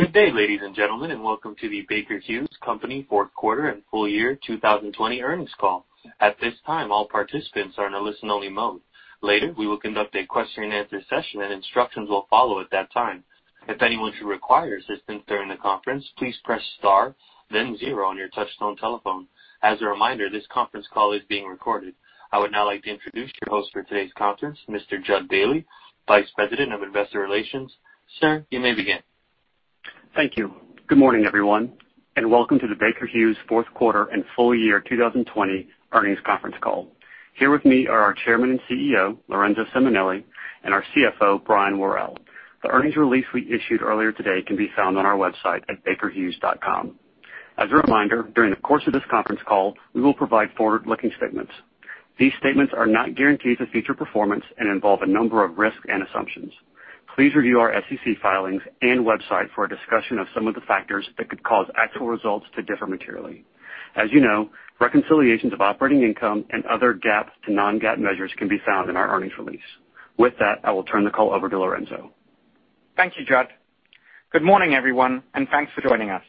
Good day, ladies and gentlemen, and welcome to the Baker Hughes Company Q4 and full year 2020 earnings call. At this time, all participants are in a listen-only mode. Later, we will conduct a question-and-answer session, and instructions will follow at that time. If anyone should require assistance during the conference, please press star then zero on your touchtone telephone. As a reminder, this conference call is being recorded. I would now like to introduce your host for today's conference, Mr. Jud Bailey, Vice President of Investor Relations. Sir, you may begin. Thank you. Good morning, everyone, and welcome to the Baker Hughes Q4 and full year 2020 earnings conference call. Here with me are our Chairman and CEO, Lorenzo Simonelli, and our CFO, Brian Worrell. The earnings release we issued earlier today can be found on our website at bakerhughes.com. As a reminder, during the course of this conference call, we will provide forward-looking statements. These statements are not guarantees of future performance and involve a number of risks and assumptions. Please review our SEC filings and website for a discussion of some of the factors that could cause actual results to differ materially. As you know, reconciliations of operating income and other GAAP to non-GAAP measures can be found in our earnings release. With that, I will turn the call over to Lorenzo. Thank you, Jud. Good morning, everyone, and thanks for joining us.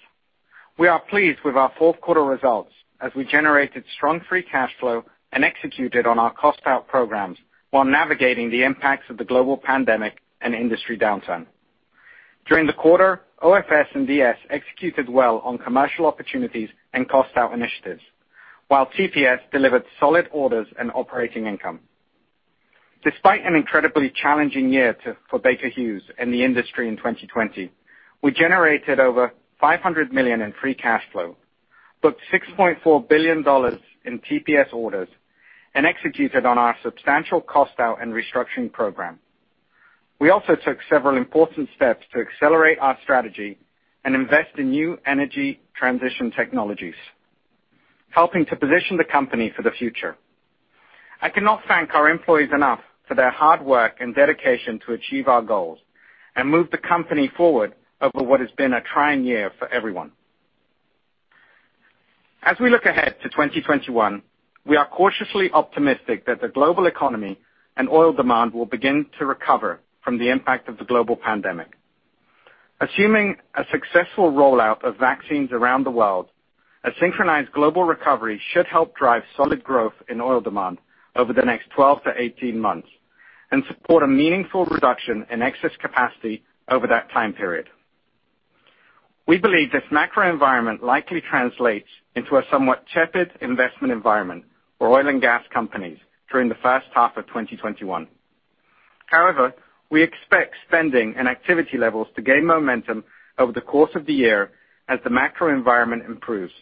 We are pleased with our Q4 results as we generated strong free cash flow and executed on our cost-out programs while navigating the impacts of the global pandemic and industry downturn. During the quarter, OFS and DS executed well on commercial opportunities and cost-out initiatives, while TPS delivered solid orders and operating income. Despite an incredibly challenging year for Baker Hughes and the industry in 2020, we generated over $500 million in free cash flow, booked $6.4 billion in TPS orders, and executed on our substantial cost-out and restructuring program. We also took several important steps to accelerate our strategy and invest in new energy transition technologies, helping to position the company for the future. I cannot thank our employees enough for their hard work and dedication to achieve our goals and move the company forward over what has been a trying year for everyone. As we look ahead to 2021, we are cautiously optimistic that the global economy and oil demand will begin to recover from the impact of the global pandemic. Assuming a successful rollout of vaccines around the world, a synchronized global recovery should help drive solid growth in oil demand over the next 12-18 months and support a meaningful reduction in excess capacity over that time period. We believe this macro environment likely translates into a somewhat tepid investment environment for oil and gas companies during the H1 of 2021. However, we expect spending and activity levels to gain momentum over the course of the year as the macro environment improves,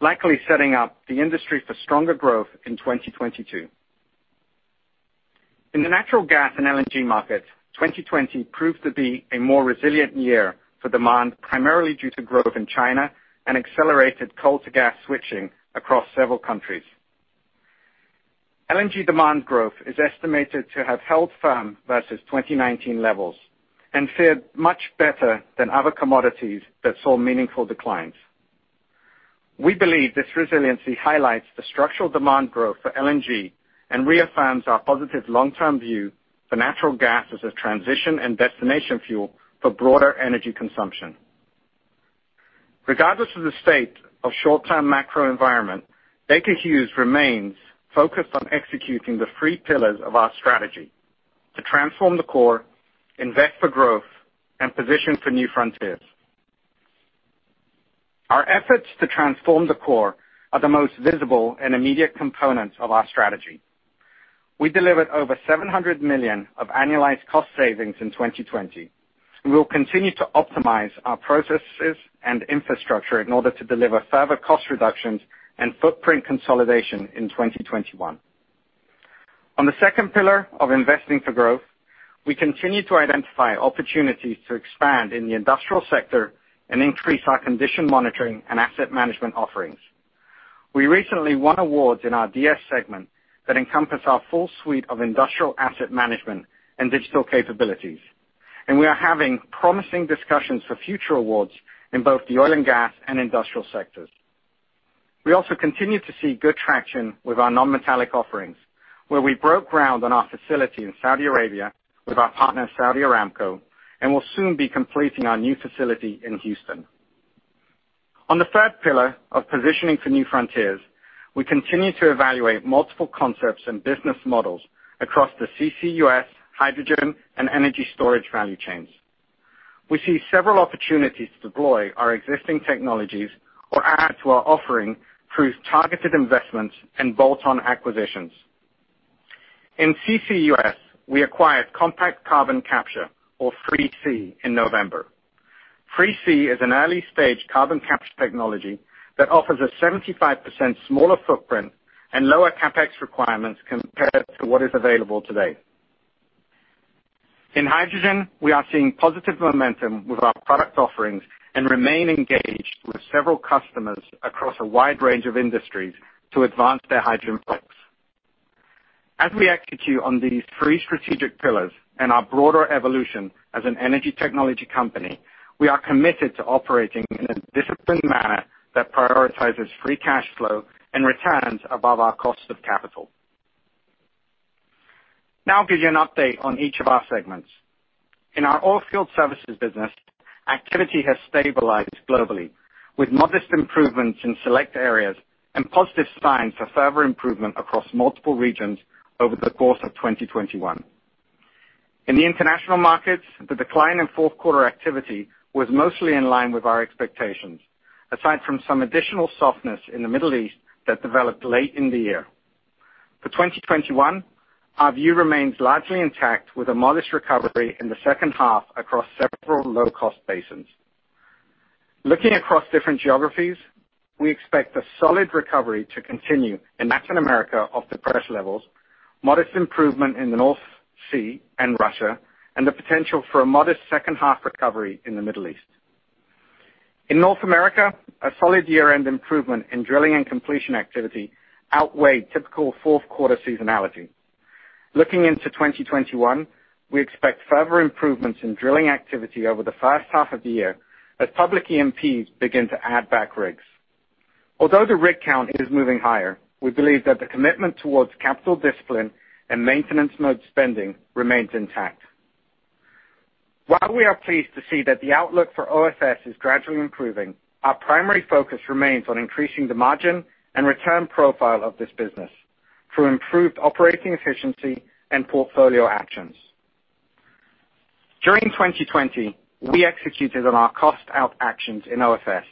likely setting up the industry for stronger growth in 2022. In the natural gas and LNG markets, 2020 proved to be a more resilient year for demand, primarily due to growth in China and accelerated coal to gas switching across several countries. LNG demand growth is estimated to have held firm versus 2019 levels and fared much better than other commodities that saw meaningful declines. We believe this resiliency highlights the structural demand growth for LNG and reaffirms our positive long-term view for natural gas as a transition and destination fuel for broader energy consumption. Regardless of the state of short-term macro environment, Baker Hughes remains focused on executing the three pillars of our strategy. To transform the core, invest for growth, and position for new frontiers. Our efforts to transform the core are the most visible and immediate components of our strategy. We delivered over $700 million of annualized cost savings in 2020. We will continue to optimize our processes and infrastructure in order to deliver further cost reductions and footprint consolidation in 2021. On the second pillar of investing for growth, we continue to identify opportunities to expand in the industrial sector and increase our condition monitoring and asset management offerings. We recently won awards in our DS segment that encompass our full suite of industrial asset management and digital capabilities, and we are having promising discussions for future awards in both the oil and gas and industrial sectors. We also continue to see good traction with our non-metallic offerings, where we broke ground on our facility in Saudi Arabia with our partner Saudi Aramco, and will soon be completing our new facility in Houston. On the third pillar of positioning for new frontiers, we continue to evaluate multiple concepts and business models across the CCUS, hydrogen, and energy storage value chains. We see several opportunities to deploy our existing technologies or add to our offering through targeted investments and bolt-on acquisitions. In CCUS, we acquired Compact Carbon Capture or 3C in November. 3C is an early-stage carbon capture technology that offers a 75% smaller footprint and lower CapEx requirements compared to what is available today. In hydrogen, we are seeing positive momentum with our product offerings and remain engaged with several customers across a wide range of industries to advance their hydrogen plans. As we execute on these three strategic pillars and our broader evolution as an energy technology company, we are committed to operating in a disciplined manner that prioritizes free cash flow and returns above our cost of capital. Now I'll give you an update on each of our segments. In our oilfield services business, activity has stabilized globally, with modest improvements in select areas and positive signs for further improvement across multiple regions over the course of 2021. In the international markets, the decline in Q4 activity was mostly in line with our expectations, aside from some additional softness in the Middle East that developed late in the year. For 2021, our view remains largely intact with a modest recovery in the H2 across several low-cost basins. Looking across different geographies, we expect a solid recovery to continue in Latin America off depressed levels, modest improvement in the North Sea and Russia, and the potential for a modest H2 recovery in the Middle East. In North America, a solid year-end improvement in drilling and completion activity outweighed typical Q4 seasonality. Looking into 2021, we expect further improvements in drilling activity over the H1 of the year as public E&Ps begin to add back rigs. Although the rig count is moving higher, we believe that the commitment towards capital discipline and maintenance mode spending remains intact. While we are pleased to see that the outlook for OFS is gradually improving, our primary focus remains on increasing the margin and return profile of this business through improved operating efficiency and portfolio actions. During 2020, we executed on our cost out actions in OFS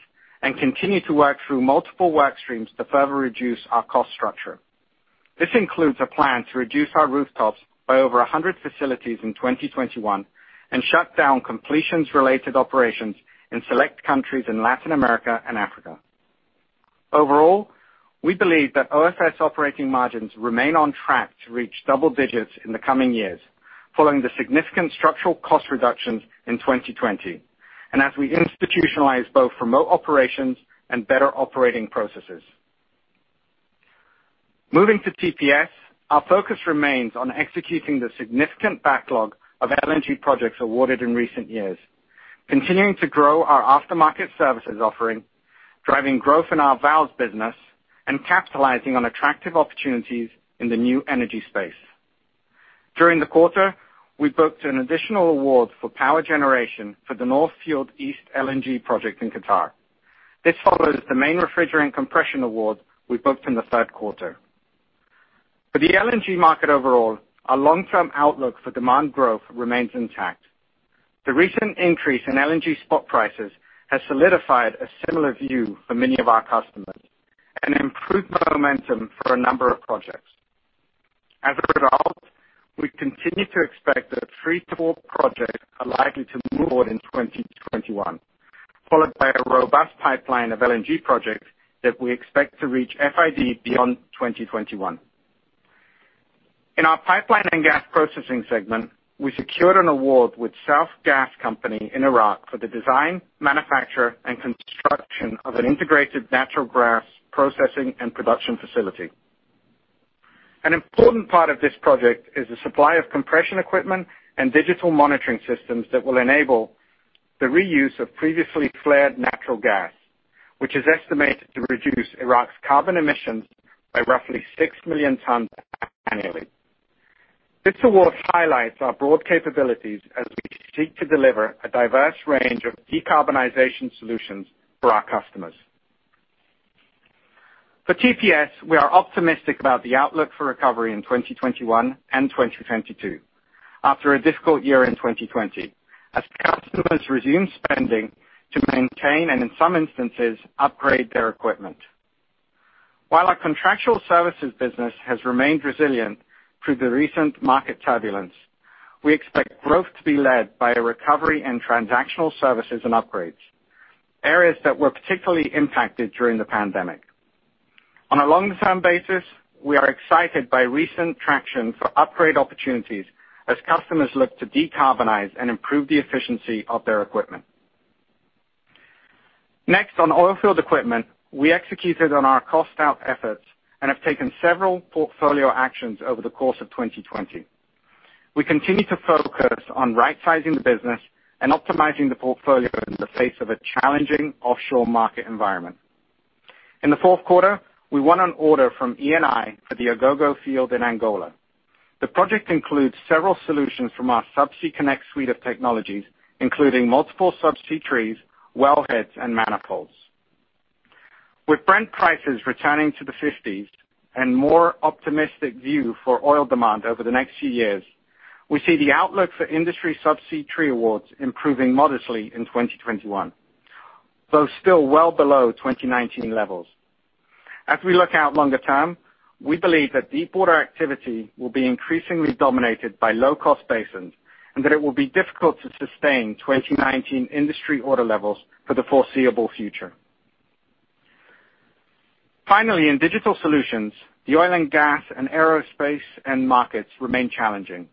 and continue to work through multiple work streams to further reduce our cost structure. This includes a plan to reduce our rooftops by over 100 facilities in 2021 and shut down completions related operations in select countries in Latin America and Africa. Overall, we believe that OFS operating margins remain on track to reach double digits in the coming years, following the significant structural cost reductions in 2020, and as we institutionalize both remote operations and better operating processes. Moving to TPS, our focus remains on executing the significant backlog of LNG projects awarded in recent years, continuing to grow our aftermarket services offering, driving growth in our valves business, and capitalizing on attractive opportunities in the new energy space. During the quarter, we booked an additional award for power generation for the North Field East LNG project in Qatar. This follows the main refrigerant compression award we booked in the Q3. For the LNG market overall, our long-term outlook for demand growth remains intact. The recent increase in LNG spot prices has solidified a similar view for many of our customers and improved momentum for a number of projects. As a result, we continue to expect that three to four projects are likely to move forward in 2021, followed by a robust pipeline of LNG projects that we expect to reach FID beyond 2021. In our pipeline and gas processing segment, we secured an award with South Gas Company in Iraq for the design, manufacture, and construction of an integrated natural gas processing and production facility. An important part of this project is the supply of compression equipment and digital monitoring systems that will enable the reuse of previously flared natural gas, which is estimated to reduce Iraq's carbon emissions by roughly 6 million tons annually. This award highlights our broad capabilities as we seek to deliver a diverse range of decarbonization solutions for our customers. For TPS, we are optimistic about the outlook for recovery in 2021 and 2022 after a difficult year in 2020, as customers resume spending to maintain and, in some instances, upgrade their equipment. While our contractual services business has remained resilient through the recent market turbulence, we expect growth to be led by a recovery in transactional services and upgrades, areas that were particularly impacted during the pandemic. On a long-term basis, we are excited by recent traction for upgrade opportunities as customers look to decarbonize and improve the efficiency of their equipment. On oilfield equipment, we executed on our cost out efforts and have taken several portfolio actions over the course of 2020. We continue to focus on right-sizing the business and optimizing the portfolio in the face of a challenging offshore market environment. In the Q4, we won an order from Eni for the Agogo field in Angola. The project includes several solutions from our Subsea Connect suite of technologies, including multiple subsea trees, well heads, and manifolds. With Brent prices returning to the 50s and more optimistic view for oil demand over the next few years, we see the outlook for industry subsea tree awards improving modestly in 2021. Still well below 2019 levels. As we look out longer term, we believe that deepwater activity will be increasingly dominated by low-cost basins and that it will be difficult to sustain 2019 industry order levels for the foreseeable future. Finally, in digital solutions, the oil and gas and aerospace end markets remain challenging.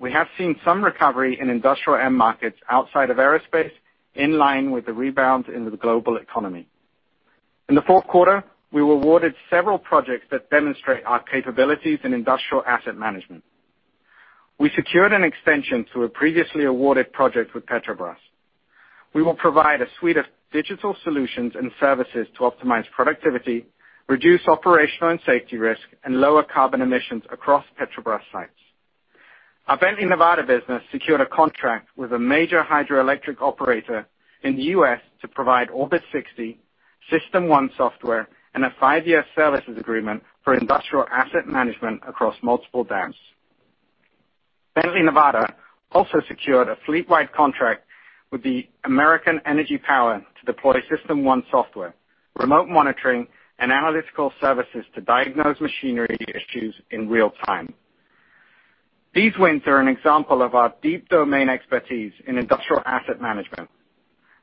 We have seen some recovery in industrial end markets outside of aerospace, in line with the rebound in the global economy. In the Q4, we were awarded several projects that demonstrate our capabilities in industrial asset management. We secured an extension to a previously awarded project with Petrobras. We will provide a suite of digital solutions and services to optimize productivity, reduce operational and safety risk, and lower carbon emissions across Petrobras sites. Our Bently Nevada business secured a contract with a major hydroelectric operator in the U.S. to provide Orbit 60, System 1 software, and a five-year services agreement for industrial asset management across multiple dams. Bently Nevada also secured a fleetwide contract with the American Electric Power to deploy System 1 software, remote monitoring, and analytical services to diagnose machinery issues in real time. These wins are an example of our deep domain expertise in industrial asset management.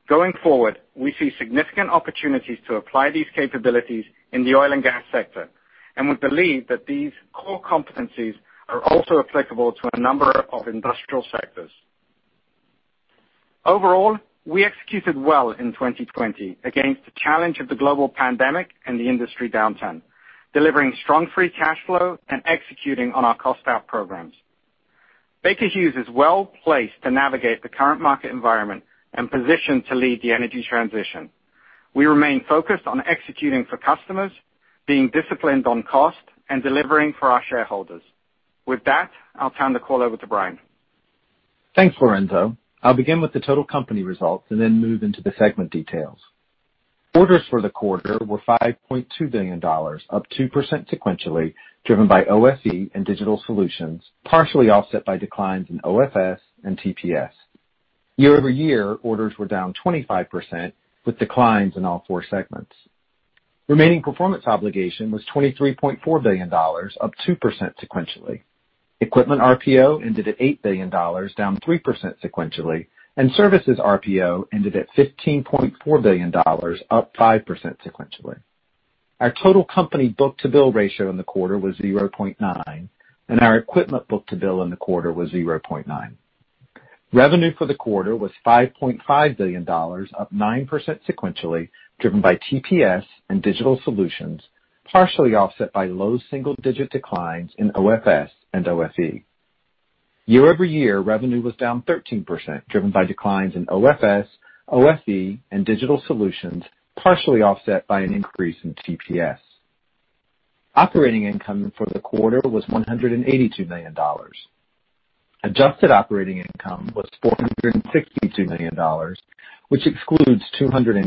Going forward, we see significant opportunities to apply these capabilities in the oil and gas sector, and we believe that these core competencies are also applicable to a number of industrial sectors. Overall, we executed well in 2020 against the challenge of the global pandemic and the industry downturn, delivering strong free cash flow and executing on our cost-out programs. Baker Hughes is well placed to navigate the current market environment and positioned to lead the energy transition. We remain focused on executing for customers, being disciplined on cost, and delivering for our shareholders. With that, I'll turn the call over to Brian. Thanks, Lorenzo. I'll begin with the total company results and then move into the segment details. Orders for the quarter were $5.2 billion, up 2% sequentially, driven by OFE and Digital Solutions, partially offset by declines in OFS and TPS. Year-over-year, orders were down 25% with declines in all four segments. Remaining performance obligation was $23.4 billion, up 2% sequentially. Equipment RPO ended at $8 billion, down 3% sequentially, and services RPO ended at $15.4 billion, up 5% sequentially. Our total company book-to-bill ratio in the quarter was 0.9, and our equipment book-to-bill in the quarter was 0.9. Revenue for the quarter was $5.5 billion, up 9% sequentially, driven by TPS and Digital Solutions, partially offset by low single-digit declines in OFS and OFE. Year-over-year, revenue was down 13%, driven by declines in OFS, OFE, and digital solutions, partially offset by an increase in TPS. Operating income for the quarter was $182 million. Adjusted operating income was $462 million, which excludes $281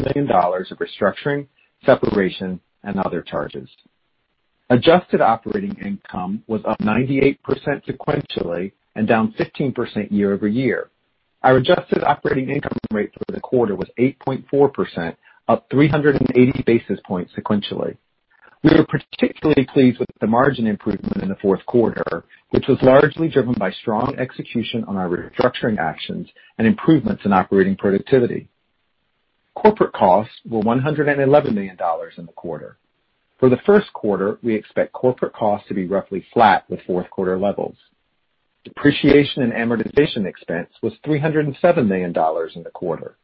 million of restructuring, separation, and other charges. Adjusted operating income was up 98% sequentially and down 15% year-over-year. Our adjusted operating income rate for the quarter was 8.4%, up 380 basis points sequentially. We were particularly pleased with the margin improvement in the Q4, which was largely driven by strong execution on our restructuring actions and improvements in operating productivity. Corporate costs were $111 million in the quarter. For the Q1, we expect corporate costs to be roughly flat with Q4 levels. Depreciation and amortization expense was $307 million in the quarter.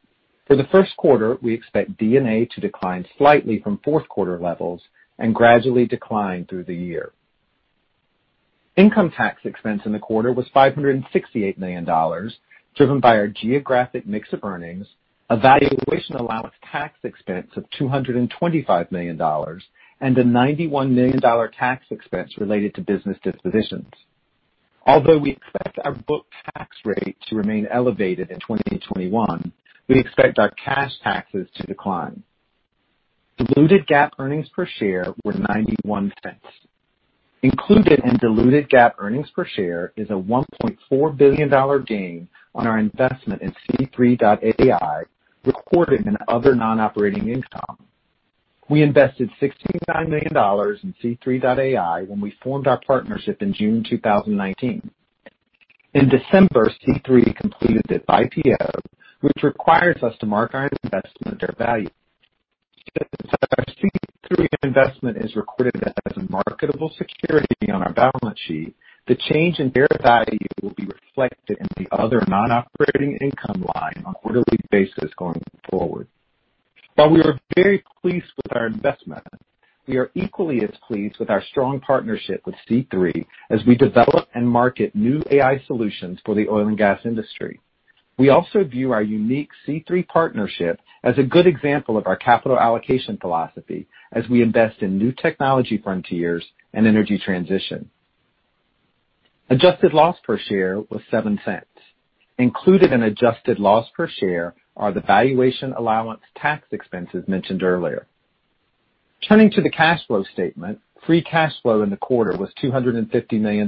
For the Q1, we expect D&A to decline slightly from Q4 levels and gradually decline through the year. Income tax expense in the quarter was $568 million, driven by our geographic mix of earnings, a valuation allowance tax expense of $225 million, and a $91 million tax expense related to business dispositions. Although we expect our book tax rate to remain elevated in 2021, we expect our cash taxes to decline. Diluted GAAP earnings per share were $0.91. Included in diluted GAAP earnings per share is a $1.4 billion gain on our investment in C3.ai, recorded in other non-operating income. We invested $69 million in C3.ai when we formed our partnership in June 2019. In December, C3 completed its IPO, which requires us to mark our investment at fair value. Since our C3 investment is recorded as a marketable security on our balance sheet, the change in fair value will be reflected in the other non-operating income line on a quarterly basis going forward. While we are very pleased with our investment, we are equally as pleased with our strong partnership with C3 as we develop and market new AI solutions for the oil and gas industry. We also view our unique C3 partnership as a good example of our capital allocation philosophy as we invest in new technology frontiers and energy transition. Adjusted loss per share was $0.07. Included in adjusted loss per share are the valuation allowance tax expenses mentioned earlier. Turning to the cash flow statement, free cash flow in the quarter was $250 million.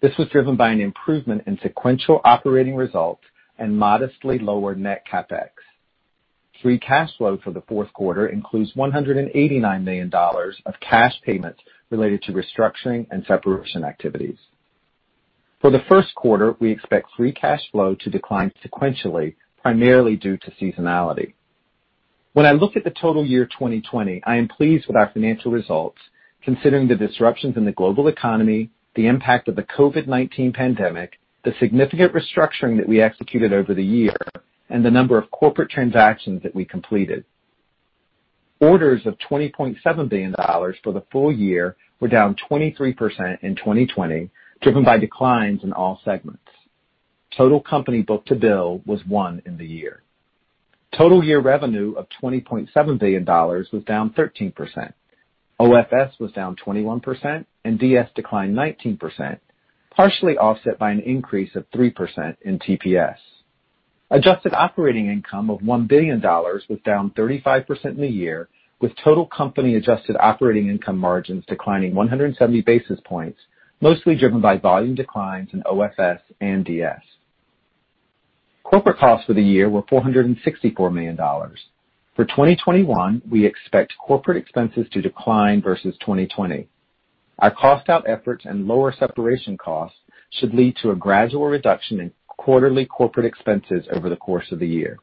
This was driven by an improvement in sequential operating results and modestly lower net CapEx. Free cash flow for the Q4 includes $189 million of cash payments related to restructuring and separation activities. For the Q1, we expect free cash flow to decline sequentially, primarily due to seasonality. When I look at the total year 2020, I am pleased with our financial results, considering the disruptions in the global economy, the impact of the COVID-19 pandemic, the significant restructuring that we executed over the year, and the number of corporate transactions that we completed. Orders of $20.7 billion for the full year were down 23% in 2020, driven by declines in all segments. Total company book-to-bill was one in the year. Total year revenue of $20.7 billion was down 13%. OFS was down 21%, and DS declined 19%, partially offset by an increase of 3% in TPS. Adjusted operating income of $1 billion was down 35% in the year, with total company adjusted operating income margins declining 170 basis points, mostly driven by volume declines in OFS and DS. Corporate costs for the year were $464 million. For 2021, we expect corporate expenses to decline versus 2020. Our cost-out efforts and lower separation costs should lead to a gradual reduction in quarterly corporate expenses over the course of the year.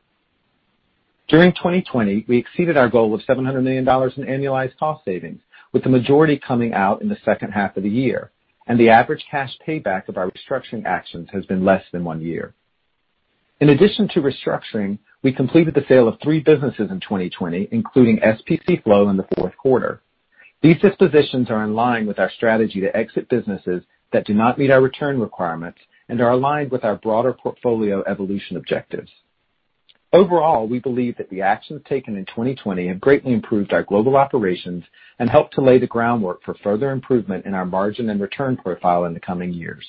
During 2020, we exceeded our goal of $700 million in annualized cost savings, with the majority coming out in the H2 of the year, and the average cash payback of our restructuring actions has been less than one year. In addition to restructuring, we completed the sale of three businesses in 2020, including SPC Flow in the Q4. These dispositions are in line with our strategy to exit businesses that do not meet our return requirements and are aligned with our broader portfolio evolution objectives. Overall, we believe that the actions taken in 2020 have greatly improved our global operations and helped to lay the groundwork for further improvement in our margin and return profile in the coming years.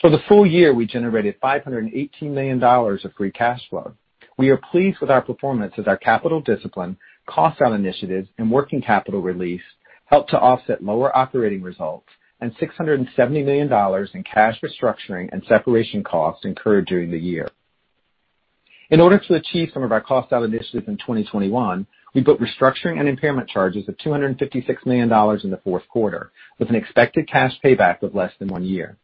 For the full year, we generated $518 million of free cash flow. We are pleased with our performance as our capital discipline, cost-out initiatives, and working capital release helped to offset lower operating results and $670 million in cash restructuring and separation costs incurred during the year. In order to achieve some of our cost-out initiatives in 2021, we booked restructuring and impairment charges of $256 million in the Q4, with an expected cash payback of less than one year.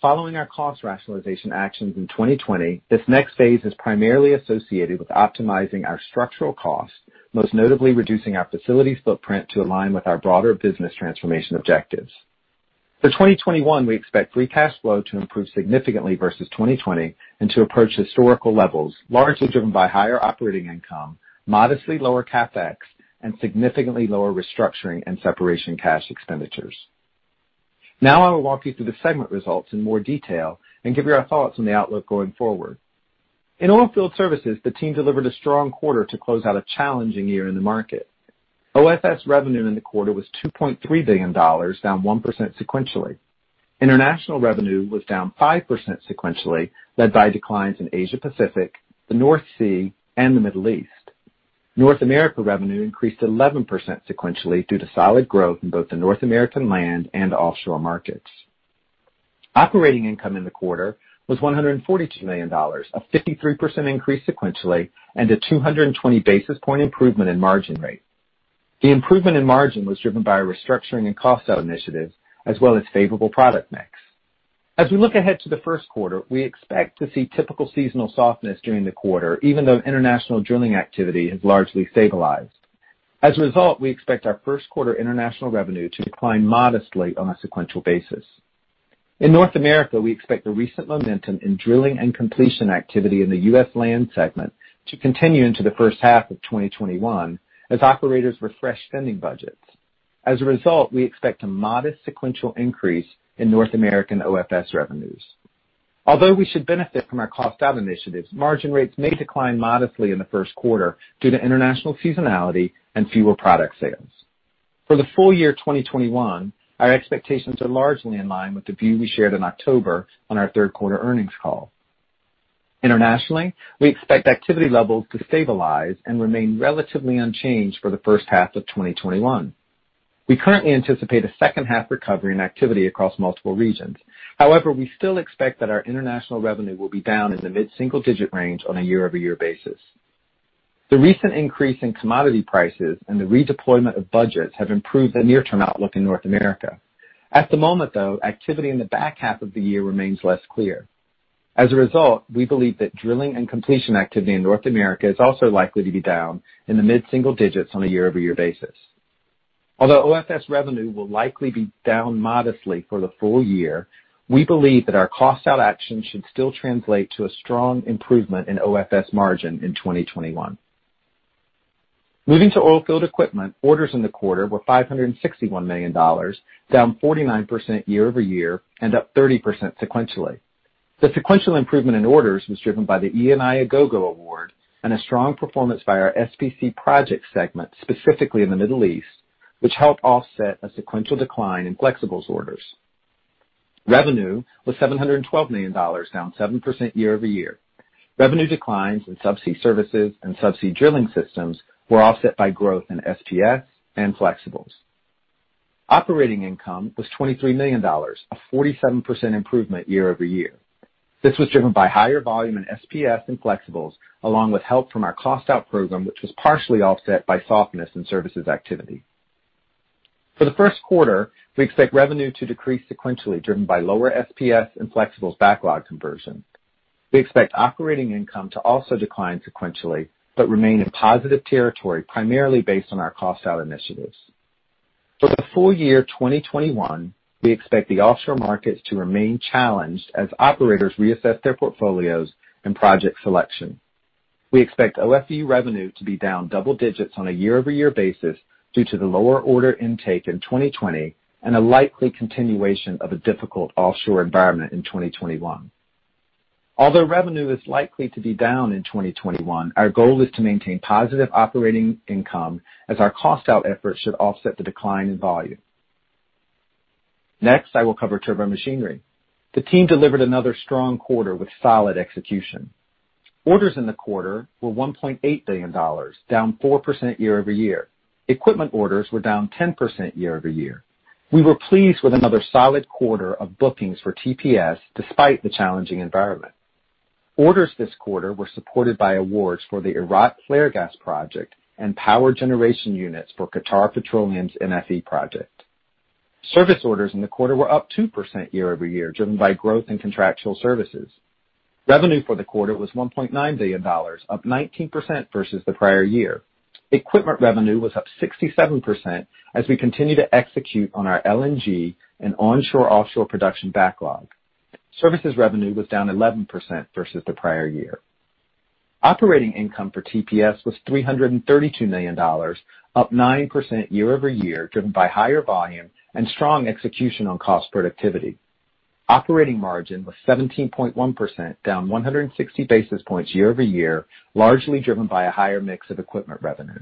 Following our cost rationalization actions in 2020, this next phase is primarily associated with optimizing our structural cost, most notably reducing our facilities footprint to align with our broader business transformation objectives. For 2021, we expect free cash flow to improve significantly versus 2020 and to approach historical levels, largely driven by higher operating income, modestly lower CapEx, and significantly lower restructuring and separation cash expenditures. I will walk you through the segment results in more detail and give you our thoughts on the outlook going forward. In Oilfield Services, the team delivered a strong quarter to close out a challenging year in the market. OFS revenue in the quarter was $2.3 billion, down 1% sequentially. International revenue was down 5% sequentially, led by declines in Asia Pacific, the North Sea, and the Middle East. North America revenue increased 11% sequentially due to solid growth in both the North American land and offshore markets. Operating income in the quarter was $142 million, a 53% increase sequentially, and a 220-basis-point improvement in margin rate. The improvement in margin was driven by restructuring and cost-out initiatives, as well as favorable product mix. As we look ahead to the Q1, we expect to see typical seasonal softness during the quarter, even though international drilling activity has largely stabilized. We expect our Q1 international revenue to decline modestly on a sequential basis. In North America, we expect the recent momentum in drilling and completion activity in the US land segment to continue into the H1 of 2021 as operators refresh spending budgets. We expect a modest sequential increase in North American OFS revenues.; Although we should benefit from our cost-out initiatives, margin rates may decline modestly in the H1 due to international seasonality and fewer product sales. For the full year 2021, our expectations are largely in line with the view we shared in October on our Q3 earnings call. Internationally, we expect activity levels to stabilize and remain relatively unchanged for the H1 of 2021. We currently anticipate a H2 recovery in activity across multiple regions. However, we still expect that our international revenue will be down in the mid-single digit range on a year-over-year basis. The recent increase in commodity prices and the redeployment of budgets have improved the near-term outlook in North America. At the moment, though, activity in the back half of the year remains less clear. As a result, we believe that drilling and completion activity in North America is also likely to be down in the mid-single digits on a year-over-year basis. Although OFS revenue will likely be down modestly for the full year, we believe that our cost-out actions should still translate to a strong improvement in OFS margin in 2021. Moving to Oilfield Equipment, orders in the quarter were $561 million, down 49% year-over-year and up 30% sequentially. The sequential improvement in orders was driven by the Eni Agogo award and a strong performance by our SPC project segment, specifically in the Middle East, which helped offset a sequential decline in Flexibles orders. Revenue was $712 million, down 7% year-over-year. Revenue declines in subsea services and subsea drilling systems were offset by growth in SPS and Flexibles. Operating income was $23 million, a 47% improvement year-over-year. This was driven by higher volume in SPS and Flexibles, along with help from our cost-out program, which was partially offset by softness in services activity. For the Q1, we expect revenue to decrease sequentially, driven by lower SPS and Flexibles backlog conversion. We expect operating income to also decline sequentially, but remain in positive territory primarily based on our cost-out initiatives. For the full year 2021, we expect the offshore markets to remain challenged as operators reassess their portfolios and project selection. We expect OFE revenue to be down double digits on a year-over-year basis due to the lower order intake in 2020 and a likely continuation of a difficult offshore environment in 2021. Although revenue is likely to be down in 2021, our goal is to maintain positive operating income as our cost out efforts should offset the decline in volume. Next, I will cover Turbomachinery. The team delivered another strong quarter with solid execution. Orders in the quarter were $1.8 billion, down 4% year-over-year. Equipment orders were down 10% year-over-year. We were pleased with another solid quarter of bookings for TPS despite the challenging environment. Orders this quarter were supported by awards for the Iraq flare gas project and power generation units for Qatar Petroleum's NFE project. Service orders in the quarter were up 2% year-over-year, driven by growth in contractual services. Revenue for the quarter was $1.9 billion, up 19% versus the prior year. Equipment revenue was up 67% as we continue to execute on our LNG and onshore/offshore production backlog. Services revenue was down 11% versus the prior year. Operating income for TPS was $332 million, up 9% year-over-year, driven by higher volume and strong execution on cost productivity. Operating margin was 17.1%, down 160 basis points year-over-year, largely driven by a higher mix of equipment revenue.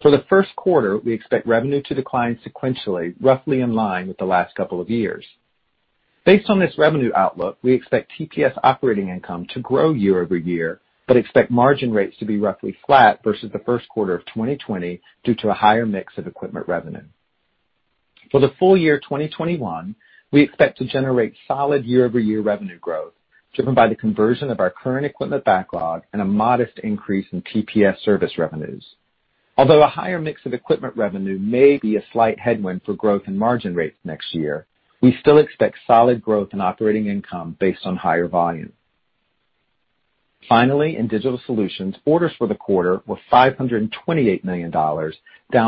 For the Q1, we expect revenue to decline sequentially, roughly in line with the last couple of years. Based on this revenue outlook, we expect TPS operating income to grow year-over-year, but expect margin rates to be roughly flat versus the Q1 of 2020 due to a higher mix of equipment revenue. For the full year 2021, we expect to generate solid year-over-year revenue growth driven by the conversion of our current equipment backlog and a modest increase in TPS service revenues. Although a higher mix of equipment revenue may be a slight headwind for growth and margin rates next year, we still expect solid growth in operating income based on higher volume. Finally, in Digital Solutions, orders for the quarter were $528 million, down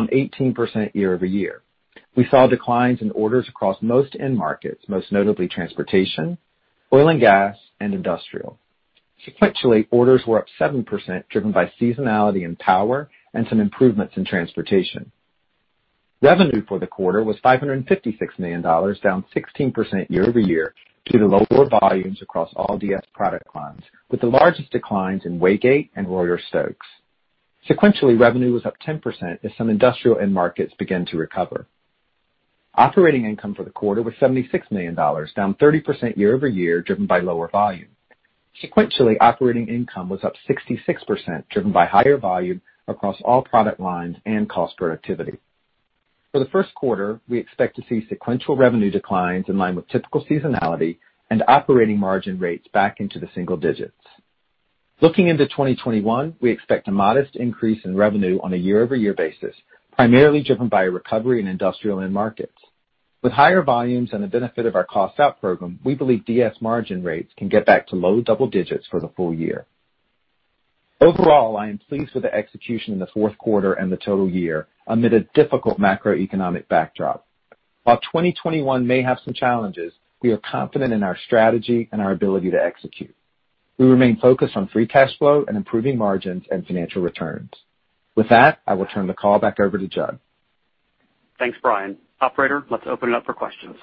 18% year-over-year. We saw declines in orders across most end markets, most notably transportation, oil and gas, and industrial. Sequentially, orders were up 7%, driven by seasonality in power and some improvements in transportation. Revenue for the quarter was $556 million, down 16% year-over-year due to lower volumes across all DS product lines, with the largest declines in Waygate and Reuter-Stokes. Sequentially, revenue was up 10% as some industrial end markets begin to recover. Operating income for the quarter was $76 million, down 30% year-over-year, driven by lower volume. Sequentially, operating income was up 66%, driven by higher volume across all product lines and cost productivity. For the Q1, we expect to see sequential revenue declines in line with typical seasonality and operating margin rates back into the single digits. Looking into 2021, we expect a modest increase in revenue on a year-over-year basis, primarily driven by a recovery in industrial end markets. With higher volumes and the benefit of our cost out program, we believe DS margin rates can get back to low double digits for the full year. Overall, I am pleased with the execution in the Q4 and the total year amid a difficult macroeconomic backdrop. While 2021 may have some challenges, we are confident in our strategy and our ability to execute. We remain focused on free cash flow and improving margins and financial returns. With that, I will turn the call back over to Jud. Thanks, Brian. Operator, let's open it up for questions.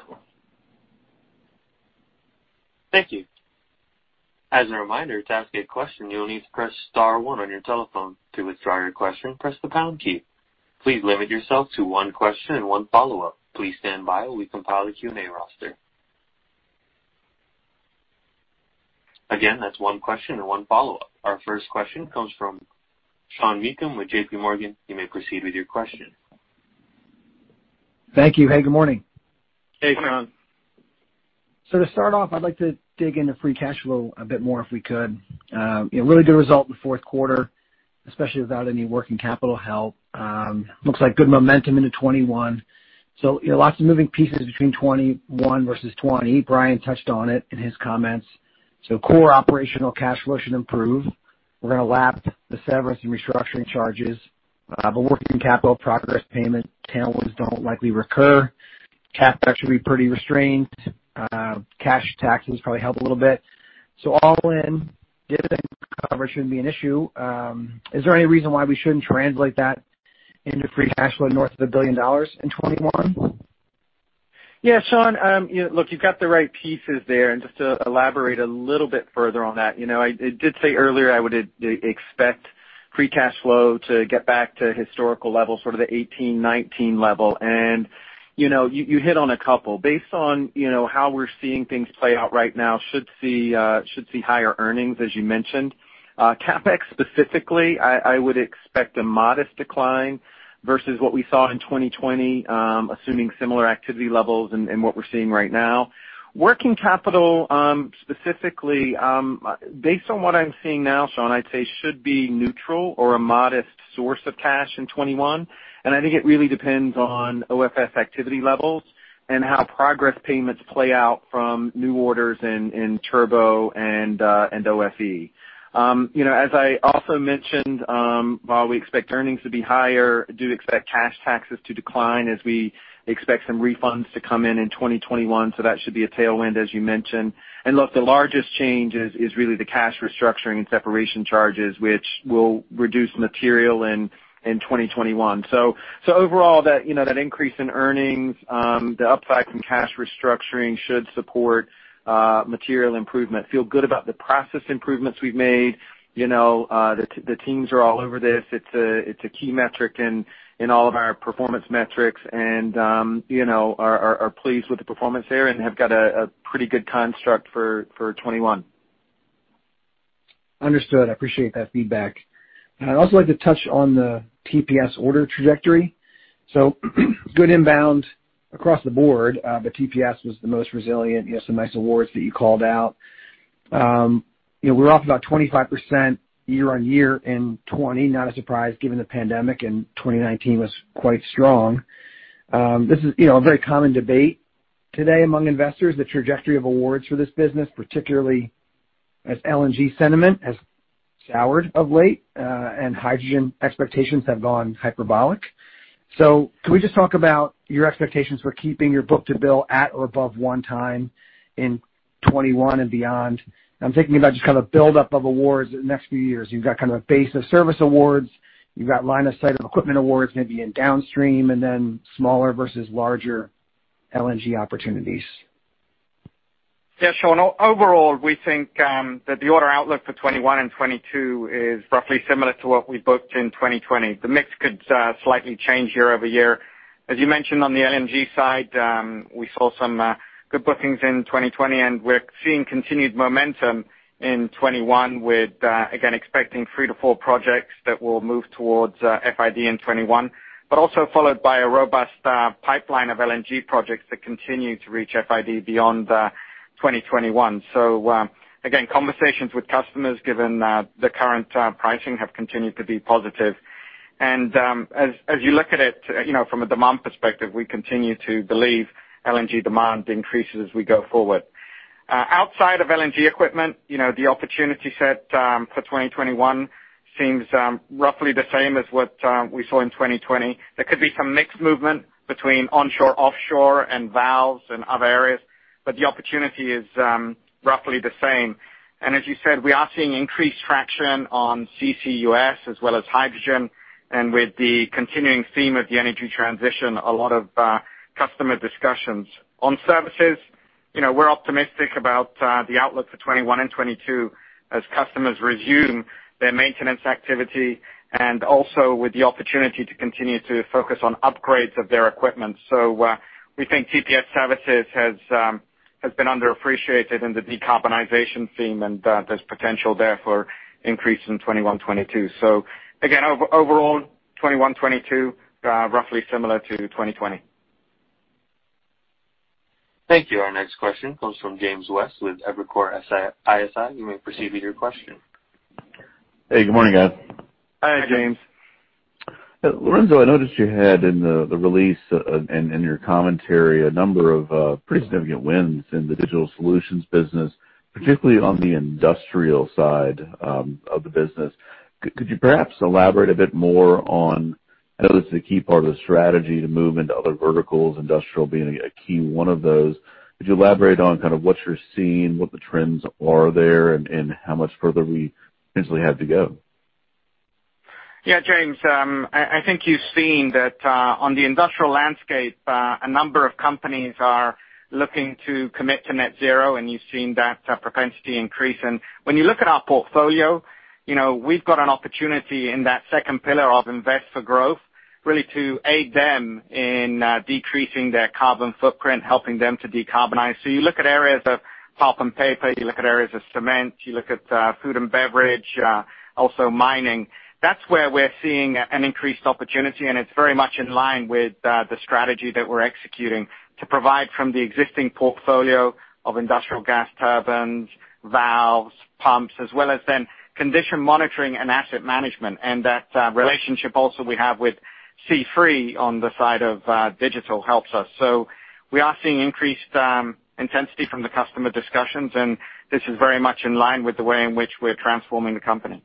Thank you. As a reminder, to ask a question, you will need to press star one on your telephone. To withdraw your question, press the pound key. Please limit yourself to one question and one follow-up. Please stand by while we compile the Q&A roster. Again, that's one question and one follow-up. Our first question comes from Sean Meakim with JPMorgan. You may proceed with your question. Thank you. Hey, good morning. Hey, Sean. To start off, I'd like to dig into free cash flow a bit more if we could. A really good result in the Q4, especially without any working capital help. Looks like good momentum into 2021. Lots of moving pieces between 2021 versus 2020. Brian touched on it in his comments. Core operational cash flow should improve. We're going to lap the severance and restructuring charges, but working capital progress payment tailwinds don't likely recur. CapEx should be pretty restrained. Cash taxes probably help a little bit. All in, dividend coverage shouldn't be an issue. Is there any reason why we shouldn't translate that into free cash flow north of $1 billion in 2021? Yeah, Sean. Look, you've got the right pieces there. Just to elaborate a little bit further on that, I did say earlier I would expect free cash flow to get back to historical levels, sort of the 18, 19 level. You hit on a couple. Based on how we're seeing things play out right now, should see higher earnings, as you mentioned. CapEx specifically, I would expect a modest decline versus what we saw in 2020, assuming similar activity levels and what we're seeing right now. Working capital, specifically, based on what I'm seeing now, Sean, I'd say should be neutral or a modest source of cash in 2021. I think it really depends on OFS activity levels and how progress payments play out from new orders in Turbo and OFE. As I also mentioned, while we expect earnings to be higher, do expect cash taxes to decline as we expect some refunds to come in 2021. That should be a tailwind, as you mentioned. Look, the largest change is really the cash restructuring and separation charges, which will reduce materially in 2021. Overall, that increase in earnings, the upside from cash restructuring should support material improvement. We feel good about the process improvements we've made. The teams are all over this. It's a key metric in all of our performance metrics and are pleased with the performance there and have got a pretty good construct for 2021. Understood. I appreciate that feedback. I'd also like to touch on the TPS order trajectory. Good inbound across the board, but TPS was the most resilient. You have some nice awards that you called out. We're off about 25% year-on-year in 2020. Not a surprise given the pandemic, and 2019 was quite strong. This is a very common debate today among investors, the trajectory of awards for this business, particularly as LNG sentiment has soured of late, and hydrogen expectations have gone hyperbolic. Can we just talk about your expectations for keeping your book-to-bill at or above one time in 2021 and beyond? I'm thinking about just kind of buildup of awards the next few years. You've got kind of base of service awards, you've got line of sight of equipment awards, maybe in downstream and then smaller versus larger LNG opportunities. Yeah, Sean, overall, we think that the order outlook for 2021 and 2022 is roughly similar to what we booked in 2020. The mix could slightly change year-over-year. As you mentioned on the LNG side, we saw some good bookings in 2020. We're seeing continued momentum in 2021 with, again, expecting three to four projects that will move towards FID in 2021. Also followed by a robust pipeline of LNG projects that continue to reach FID beyond 2021. Again, conversations with customers, given the current pricing, have continued to be positive. As you look at it from a demand perspective, we continue to believe LNG demand increases as we go forward. Outside of LNG equipment, the opportunity set for 2021 seems roughly the same as what we saw in 2020. There could be some mix movement between onshore, offshore, and valves and other areas, but the opportunity is roughly the same. As you said, we are seeing increased traction on CCUS as well as hydrogen. With the continuing theme of the energy transition, a lot of customer discussions. On services, we're optimistic about the outlook for 2021 and 2022 as customers resume their maintenance activity and also with the opportunity to continue to focus on upgrades of their equipment. We think TPS services has been underappreciated in the decarbonization theme, and there's potential there for increase in 2021, 2022. Again, overall, 2021, 2022, roughly similar to 2020. Thank you. Our next question comes from James West with Evercore ISI. You may proceed with your question. Hey, good morning, guys. Hi, James. Lorenzo, I noticed you had in the release and in your commentary a number of pretty significant wins in the digital solutions business, particularly on the industrial side of the business. Could you perhaps elaborate a bit more on, I know this is a key part of the strategy to move into other verticals, industrial being a key one of those. Could you elaborate on kind of what you're seeing, what the trends are there, and how much further we potentially have to go? Yeah, James, I think you've seen that on the industrial landscape, a number of companies are looking to commit to net zero, and you've seen that propensity increase. When you look at our portfolio, we've got an opportunity in that second pillar of invest for growth, really to aid them in decreasing their carbon footprint, helping them to decarbonize. You look at areas of pulp and paper, you look at areas of cement, you look at food and beverage, also mining. That's where we're seeing an increased opportunity, and it's very much in line with the strategy that we're executing to provide from the existing portfolio of industrial gas turbines, valves, pumps, as well as then condition monitoring and asset management. That relationship also we have with C3 on the side of digital helps us. We are seeing increased intensity from the customer discussions, and this is very much in line with the way in which we're transforming the company.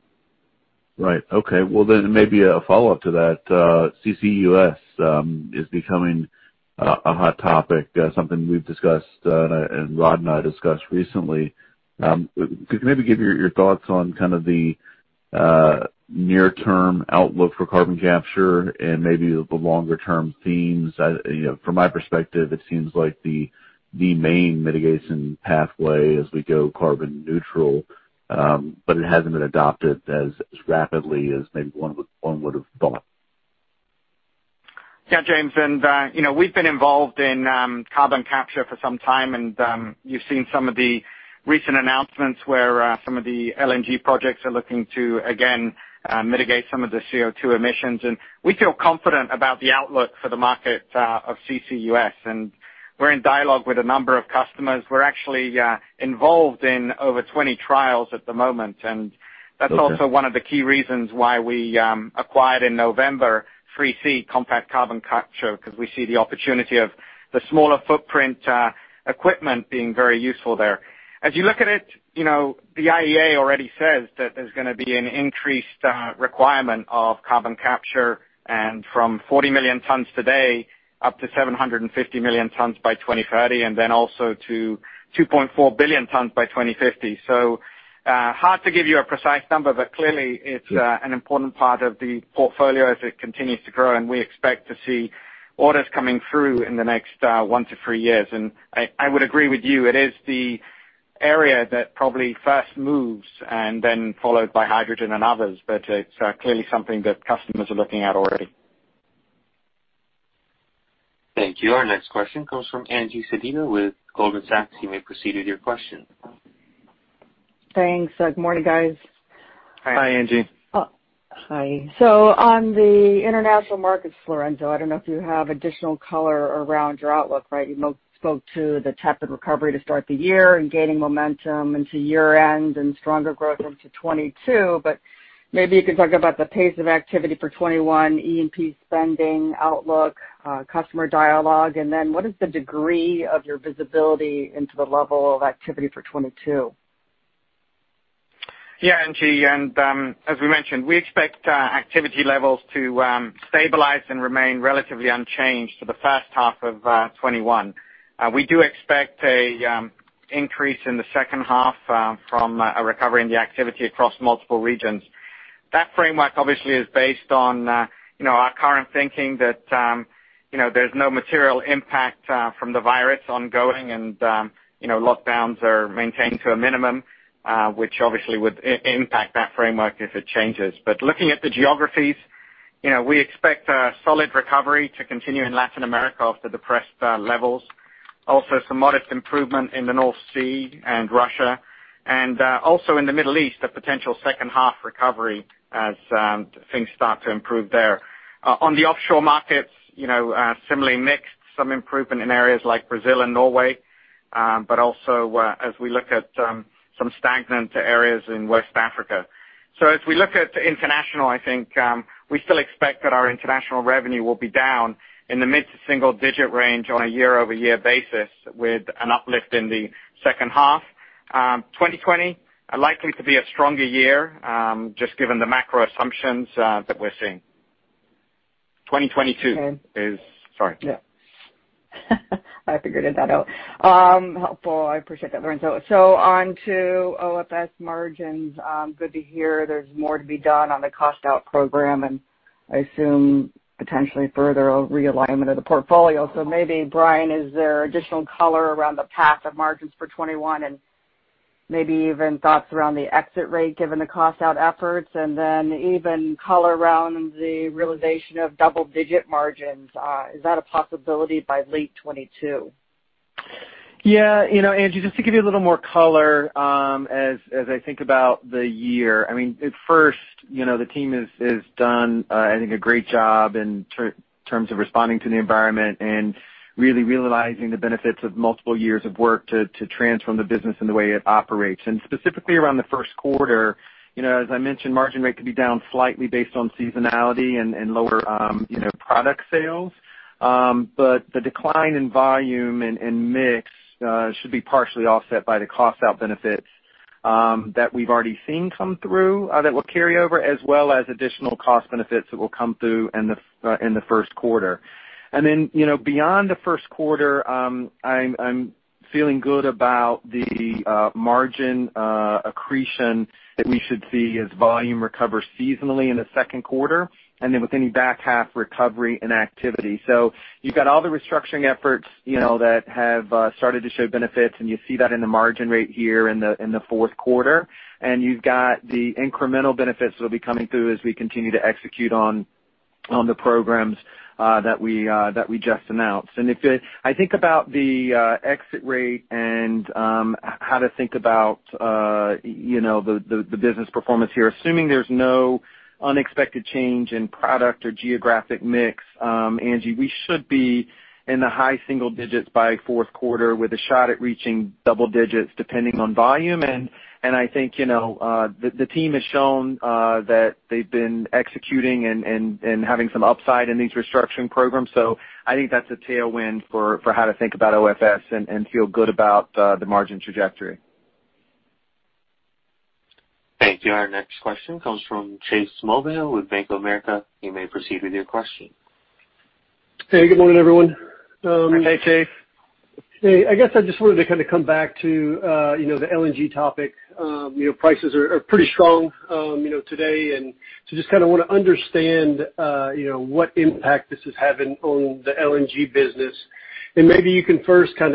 Right. Okay. Maybe a follow-up to that. CCUS is becoming a hot topic, something we've discussed, and Rod and I discussed recently. Could you maybe give your thoughts on kind of the near term outlook for carbon capture and maybe the longer term themes? From my perspective, it seems like the main mitigation pathway as we go carbon neutral, but it hasn't been adopted as rapidly as maybe one would've thought. James, we've been involved in carbon capture for some time, and you've seen some of the recent announcements where some of the LNG projects are looking to, again, mitigate some of the CO2 emissions. We feel confident about the outlook for the market of CCUS, and we're in dialogue with a number of customers. We're actually involved in over 20 trials at the moment, and that's also one of the key reasons why we acquired, in November, 3C Compact Carbon Capture, because we see the opportunity of the smaller footprint equipment being very useful there. As you look at it, the IEA already says that there's going to be an increased requirement of carbon capture from 40 million tons today up to 750 million tons by 2030, and then also to 2.4 billion tons by 2050. Hard to give you a precise number, but clearly it's an important part of the portfolio as it continues to grow, and we expect to see orders coming through in the next one to three years. I would agree with you, it is the area that probably first moves and then followed by hydrogen and others. It's clearly something that customers are looking at already. Thank you. Our next question comes from Angie Sedita with Goldman Sachs. You may proceed with your question. Thanks. Good morning, guys. Hi, Angie. Hi. On the international markets, Lorenzo, I don't know if you have additional color around your outlook, right? You spoke to the tepid recovery to start the year and gaining momentum into year-end and stronger growth into 2022, but maybe you can talk about the pace of activity for 2021, E&P spending outlook, customer dialogue, and then what is the degree of your visibility into the level of activity for 2022? Yeah, Angie, as we mentioned, we expect activity levels to stabilize and remain relatively unchanged for the H1 of 2021. We do expect an increase in the H2 from a recovery in the activity across multiple regions. That framework obviously is based on our current thinking that there's no material impact from the virus ongoing and lockdowns are maintained to a minimum, which obviously would impact that framework if it changes. Looking at the geographies, we expect a solid recovery to continue in Latin America after depressed levels. Also, some modest improvement in the North Sea and Russia. Also in the Middle East, a potential H2 recovery as things start to improve there. On the offshore markets, similarly mixed. Some improvement in areas like Brazil and Norway, but also as we look at some stagnant areas in West Africa. If we look at international, I think we still expect that our international revenue will be down in the mid-to-single digit range on a year-over-year basis with an uplift in the H2. 2020 likely to be a stronger year, just given the macro assumptions that we're seeing. 2022, sorry. Yeah. I figured it out. Helpful. I appreciate that, Lorenzo. On to OFS margins. Good to hear there's more to be done on the cost-out program, and I assume potentially further realignment of the portfolio. Maybe, Brian, is there additional color around the path of margins for 2021 and maybe even thoughts around the exit rate given the cost-out efforts? Even color around the realization of double-digit margins. Is that a possibility by late 2022? Yeah. Angie, just to give you a little more color, as I think about the year, at first, the team has done, I think, a great job in terms of responding to the environment and really realizing the benefits of multiple years of work to transform the business and the way it operates. Specifically around the Q1, as I mentioned, margin rate could be down slightly based on seasonality and lower product sales. The decline in volume and mix should be partially offset by the cost-out benefits that we've already seen come through that will carry over, as well as additional cost benefits that will come through in the Q1. Then, beyond the Q1, I'm feeling good about the margin accretion that we should see as volume recovers seasonally in the Q2 and then with any back half recovery and activity. You've got all the restructuring efforts that have started to show benefits, and you see that in the margin rate here in the Q4. You've got the incremental benefits that will be coming through as we continue to execute on the programs that we just announced. If I think about the exit rate and how to think about the business performance here, assuming there's no unexpected change in product or geographic mix, Angie, we should be in the high single digits by Q4 with a shot at reaching double digits depending on volume. I think the team has shown that they've been executing and having some upside in these restructuring programs. I think that's a tailwind for how to think about OFS and feel good about the margin trajectory. Thank you. Our next question comes from Chase Mulvehill with Bank of America. You may proceed with your question. Hey, good morning, everyone. Hey, Chase. Hey. I guess I just wanted to kind of come back to the LNG topic. Prices are pretty strong today, just kind of want to understand what impact this is having on the LNG business. Maybe you can first talk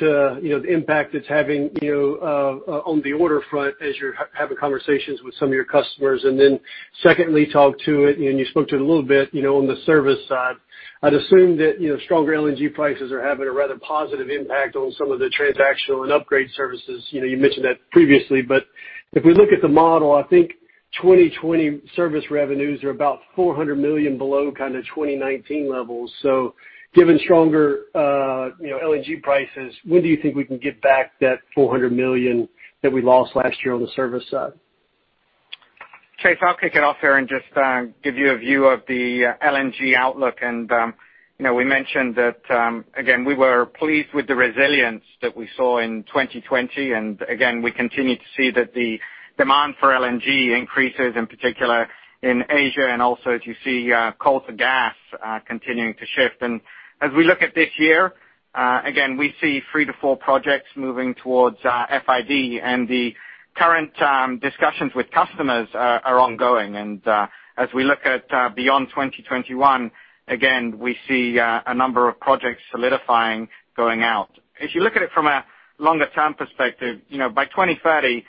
to the impact it's having on the order front as you're having conversations with some of your customers. Then secondly, talk to it, and you spoke to it a little bit, on the service side. I'd assume that stronger LNG prices are having a rather positive impact on some of the transactional and upgrade services. You mentioned that previously, but if we look at the model, I think 2020 service revenues are about $400 million below kind of 2019 levels. Given stronger LNG prices, when do you think we can get back that $400 million that we lost last year on the service side? Chase, I'll kick it off here and just give you a view of the LNG outlook. We mentioned that, again, we were pleased with the resilience that we saw in 2020. Again, we continue to see that the demand for LNG increases, in particular in Asia, and also as you see coal to gas continuing to shift. As we look at this year, again, we see three to four projects moving towards FID, and the current discussions with customers are ongoing. As we look at beyond 2021, again, we see a number of projects solidifying going out. If you look at it from a longer-term perspective, by 2030,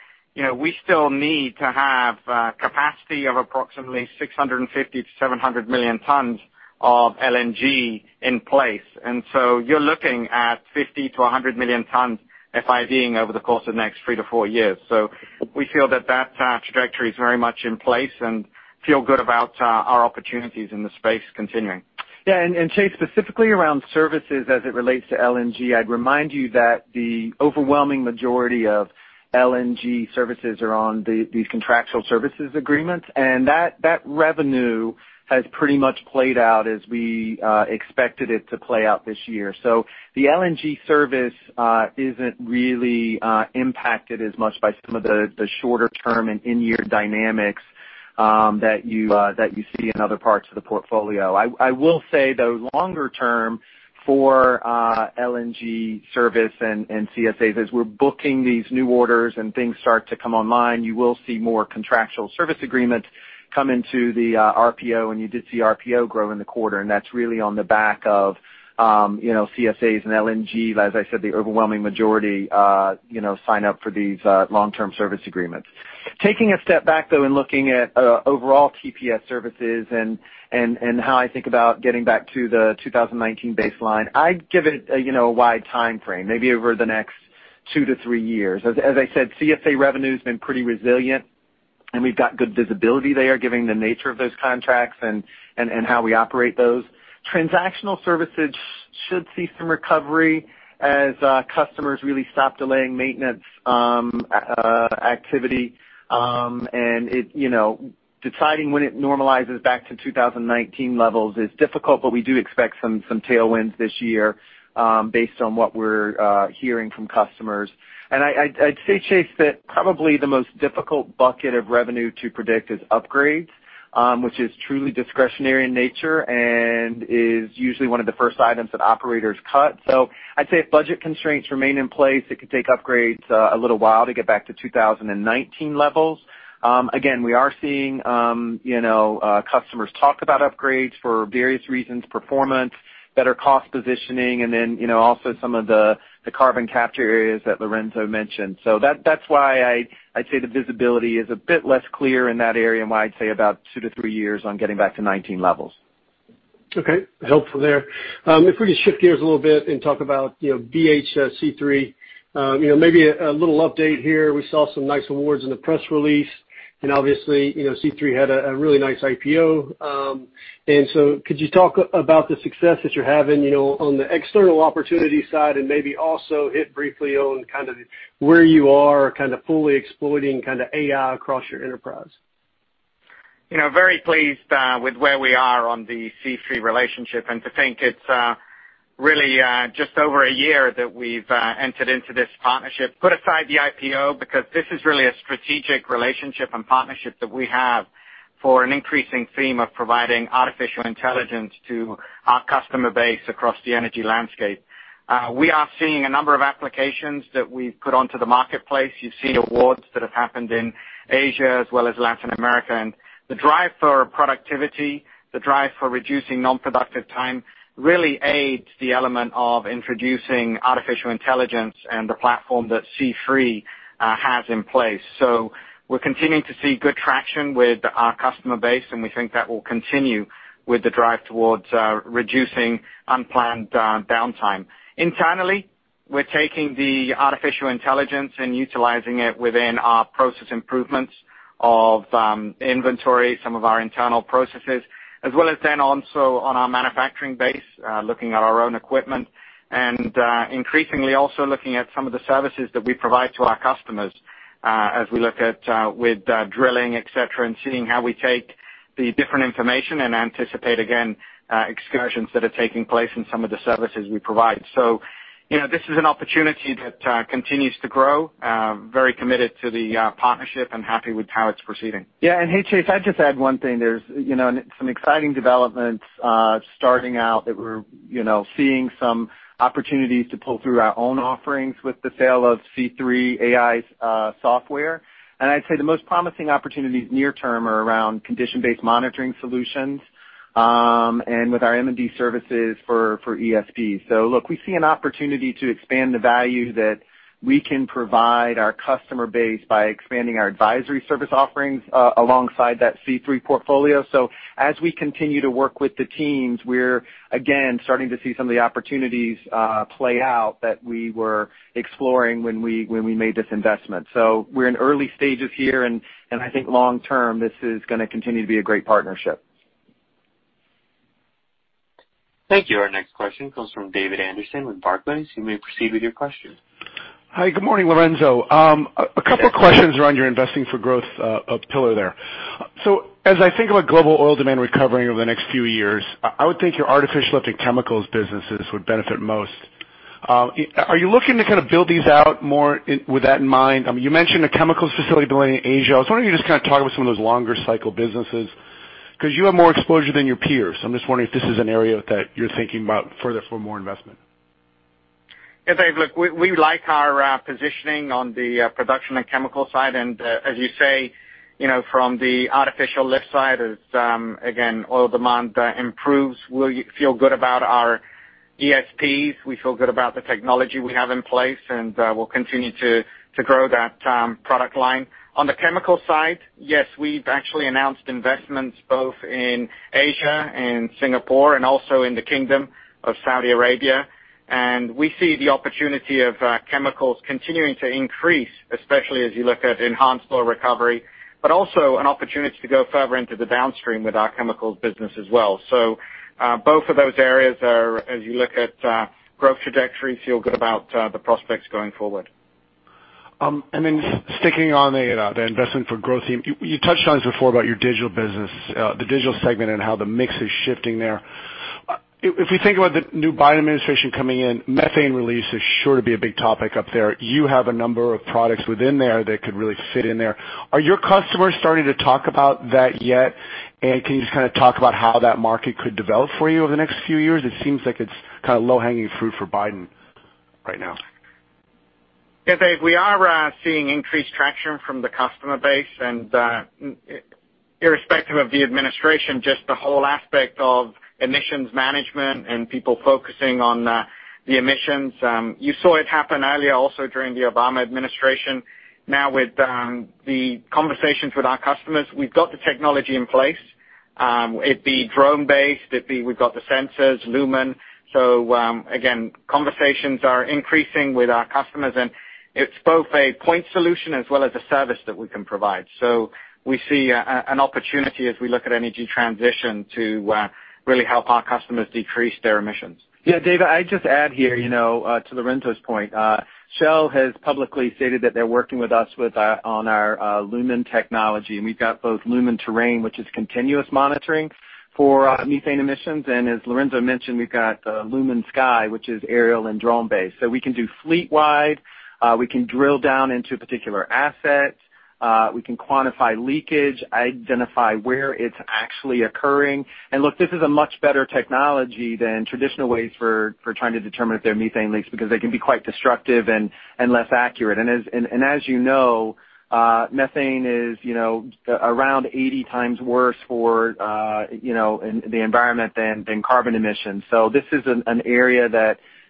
we still need to have capacity of approximately 650-700 million tons of LNG in place. You're looking at 50-100 million tons FID-ing over the course of the next three to four years. We feel that that trajectory is very much in place and feel good about our opportunities in the space continuing. Yeah. Chase, specifically around services as it relates to LNG, I'd remind you that the overwhelming majority of LNG services are on these Contractual Service Agreements, and that revenue has pretty much played out as we expected it to play out this year. The LNG service isn't really impacted as much by some of the shorter-term and in-year dynamics that you see in other parts of the portfolio. I will say, though, longer term for LNG service and CSAs, as we're booking these new orders and things start to come online, you will see more Contractual Service Agreements come into the RPO, and you did see RPO grow in the quarter, and that's really on the back of CSAs and LNG. As I said, the overwhelming majority sign up for these long-term service agreements. Taking a step back, though, and looking at overall TPS services and how I think about getting back to the 2019 baseline, I'd give it a wide timeframe, maybe over the next two to three years. As I said, CSA revenue's been pretty resilient and we've got good visibility there given the nature of those contracts and how we operate those. Transactional services should see some recovery as customers really stop delaying maintenance activity. Deciding when it normalizes back to 2019 levels is difficult, but we do expect some tailwinds this year based on what we're hearing from customers. I'd say, Chase, that probably the most difficult bucket of revenue to predict is upgrades, which is truly discretionary in nature and is usually one of the first items that operators cut. I'd say if budget constraints remain in place, it could take upgrades a little while to get back to 2019 levels. Again, we are seeing customers talk about upgrades for various reasons, performance, better cost positioning, and then also some of the carbon capture areas that Lorenzo mentioned. That's why I'd say the visibility is a bit less clear in that area and why I'd say about two to three years on getting back to 2019 levels. Okay. Helpful there. If we could shift gears a little bit and talk about BHC3. Maybe a little update here. We saw some nice awards in the press release, and obviously C3.ai had a really nice IPO. Could you talk about the success that you're having on the external opportunity side and maybe also hit briefly on kind of where you are kind of fully exploiting kind of AI across your enterprise? Very pleased with where we are on the C3 relationship. To think it's really just over a year that we've entered into this partnership. Put aside the IPO, because this is really a strategic relationship and partnership that we have for an increasing theme of providing artificial intelligence to our customer base across the energy landscape. You see awards that have happened in Asia as well as Latin America. The drive for productivity, the drive for reducing non-productive time really aids the element of introducing artificial intelligence and the platform that C3 has in place. We're continuing to see good traction with our customer base, and we think that will continue with the drive towards reducing unplanned downtime. Internally, we're taking the artificial intelligence and utilizing it within our process improvements of inventory, some of our internal processes, as well as then also on our manufacturing base, looking at our own equipment. Increasingly also looking at some of the services that we provide to our customers as we look at with drilling, et cetera, and seeing how we take the different information and anticipate, again, excursions that are taking place in some of the services we provide. This is an opportunity that continues to grow. Very committed to the partnership and happy with how it's proceeding. Yeah. Hey, Chase, I'd just add one thing. There's some exciting developments starting out that we're seeing some opportunities to pull through our own offerings with the sale of C3 AI's software. I'd say the most promising opportunities near term are around condition-based monitoring solutions. With our M&D services for ESPs. Look, we see an opportunity to expand the value that we can provide our customer base by expanding our advisory service offerings alongside that C3 portfolio. As we continue to work with the teams, we're again starting to see some of the opportunities play out that we were exploring when we made this investment. We're in early stages here, and I think long term, this is going to continue to be a great partnership. Thank you. Our next question comes from David Anderson with Barclays. You may proceed with your question. Hi, good morning, Lorenzo. A couple questions around your investing for growth pillar there. As I think about global oil demand recovering over the next few years, I would think your artificial lift and chemicals businesses would benefit most. Are you looking to kind of build these out more with that in mind? You mentioned a chemicals facility building in Asia. I was wondering if you could just kind of talk about some of those longer cycle businesses, because you have more exposure than your peers. I'm just wondering if this is an area that you're thinking about further for more investment. Yeah, Dave, look, we like our positioning on the production and chemical side, and as you say, from the artificial lift side, as again, oil demand improves, we feel good about our ESPs. We feel good about the technology we have in place, we'll continue to grow that product line. On the chemical side, yes, we've actually announced investments both in Asia and Singapore and also in the Kingdom of Saudi Arabia. We see the opportunity of chemicals continuing to increase, especially as you look at enhanced oil recovery, also an opportunity to go further into the downstream with our chemicals business as well. Both of those areas are, as you look at growth trajectory, feel good about the prospects going forward. Sticking on the investment for growth theme, you touched on this before about your digital business, the digital segment and how the mix is shifting there. If we think about the new Biden administration coming in, methane release is sure to be a big topic up there. You have a number of products within there that could really fit in there. Are your customers starting to talk about that yet? Can you just kind of talk about how that market could develop for you over the next few years? It seems like it's kind of low-hanging fruit for Biden right now. Yeah, Dave, we are seeing increased traction from the customer base, and irrespective of the administration, just the whole aspect of emissions management and people focusing on the emissions. You saw it happen earlier also during the Obama administration. Now with the conversations with our customers, we've got the technology in place. It be drone-based, it be we've got the sensors, LUMEN. Again, conversations are increasing with our customers, and it's both a point solution as well as a service that we can provide. We see an opportunity as we look at energy transition to really help our customers decrease their emissions. Dave, I'd just add here to Lorenzo's point, Shell has publicly stated that they're working with us on our LUMEN technology, and we've got both LUMEN Terrain, which is continuous monitoring for methane emissions, and as Lorenzo mentioned, we've got LUMEN Sky, which is aerial and drone-based. We can do fleet-wide. We can drill down into particular assets. We can quantify leakage, identify where it's actually occurring. Look, this is a much better technology than traditional ways for trying to determine if there are methane leaks, because they can be quite destructive and less accurate. As you know, methane is around 80x worse for the environment than carbon emissions. This is an area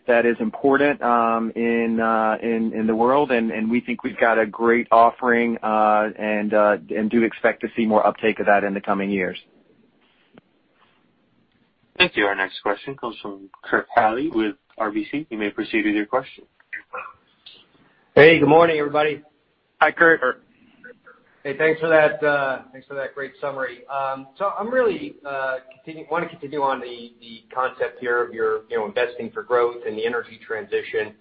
that is important in the world, and we think we've got a great offering, and do expect to see more uptake of that in the coming years. Thank you. Our next question comes from Kurt Hallead with RBC. You may proceed with your question. Hey, good morning, everybody. Hi, Kurt. Hey, thanks for that great summary. I really want to continue on the concept here of your investing for growth and the energy transition,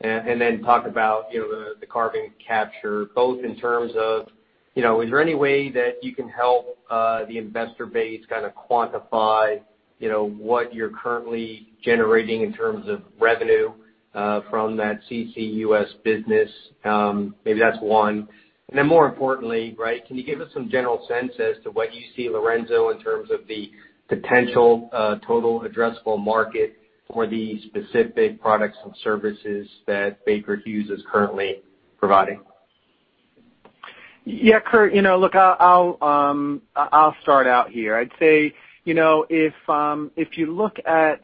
and then talk about the carbon capture, both in terms of, is there any way that you can help the investor base kind of quantify what you're currently generating in terms of revenue from that CCUS business? Maybe that's one. Then more importantly, can you give us some general sense as to what you see, Lorenzo, in terms of the potential total addressable market for the specific products and services that Baker Hughes is currently providing? Kurt. Look, I'll start out here. I'd say, if you look at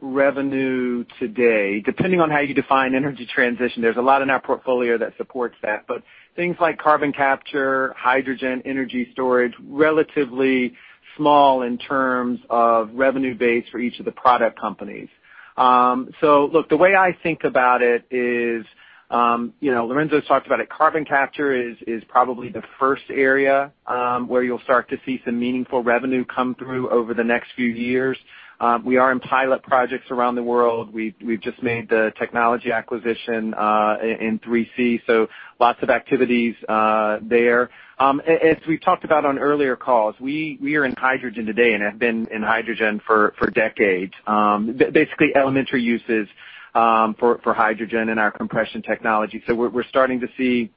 revenue today, depending on how you define energy transition, there's a lot in our portfolio that supports that, but things like carbon capture, hydrogen, energy storage, relatively small in terms of revenue base for each of the product companies. Look, the way I think about it is, Lorenzo's talked about it, carbon capture is probably the first area where you'll start to see some meaningful revenue come through over the next few years. We are in pilot projects around the world. We've just made the technology acquisition in 3C, so lots of activities there. As we've talked about on earlier calls, we are in hydrogen today and have been in hydrogen for decades. Basically, elementary uses for hydrogen in our compression technology. We're starting to see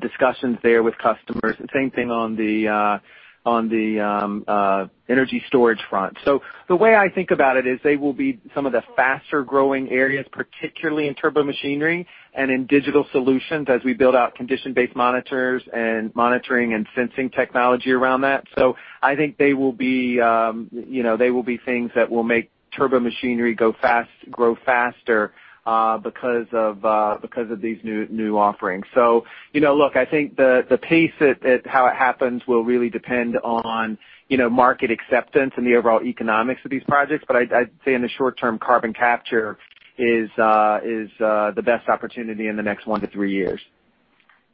discussions there with customers. The same thing on the energy storage front. The way I think about it is they will be some of the faster-growing areas, particularly in turbomachinery and in digital solutions, as we build out condition-based monitors and monitoring and sensing technology around that. I think they will be things that will make turbomachinery grow faster because of these new offerings. Look, I think the pace at how it happens will really depend on market acceptance and the overall economics of these projects. I'd say in the short term, carbon capture is the best opportunity in the next one to three years.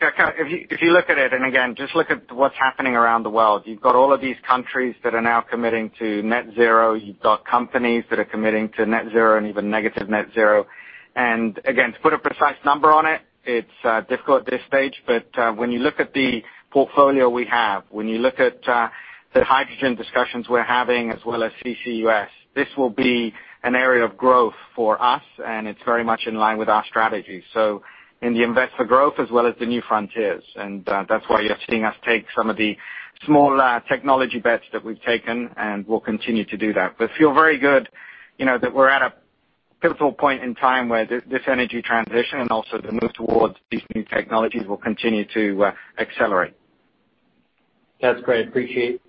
Yeah. If you look at it, again, just look at what's happening around the world. You've got all of these countries that are now committing to net zero. You've got companies that are committing to net zero and even negative net zero. Again, to put a precise number on it's difficult at this stage. When you look at the portfolio we have, when you look at the hydrogen discussions we're having as well as CCUS, this will be an area of growth for us, and it's very much in line with our strategy. In the Invest for Growth as well as the New Frontiers. That's why you're seeing us take some of the small technology bets that we've taken, and we'll continue to do that. Feel very good that we're at a pivotal point in time where this energy transition and also the move towards these new technologies will continue to accelerate. That's great. Appreciate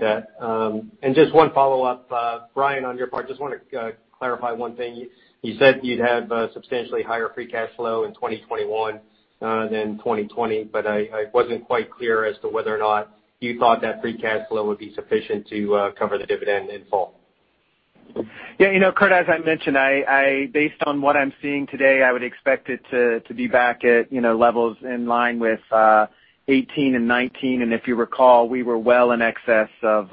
that. Just one follow-up, Brian, on your part, just want to clarify one thing. You said you'd have substantially higher free cash flow in 2021 than 2020, but I wasn't quite clear as to whether or not you thought that free cash flow would be sufficient to cover the dividend in full. Yeah, Kurt, as I mentioned, based on what I'm seeing today, I would expect it to be back at levels in line with 2018 and 2019. If you recall, we were well in excess of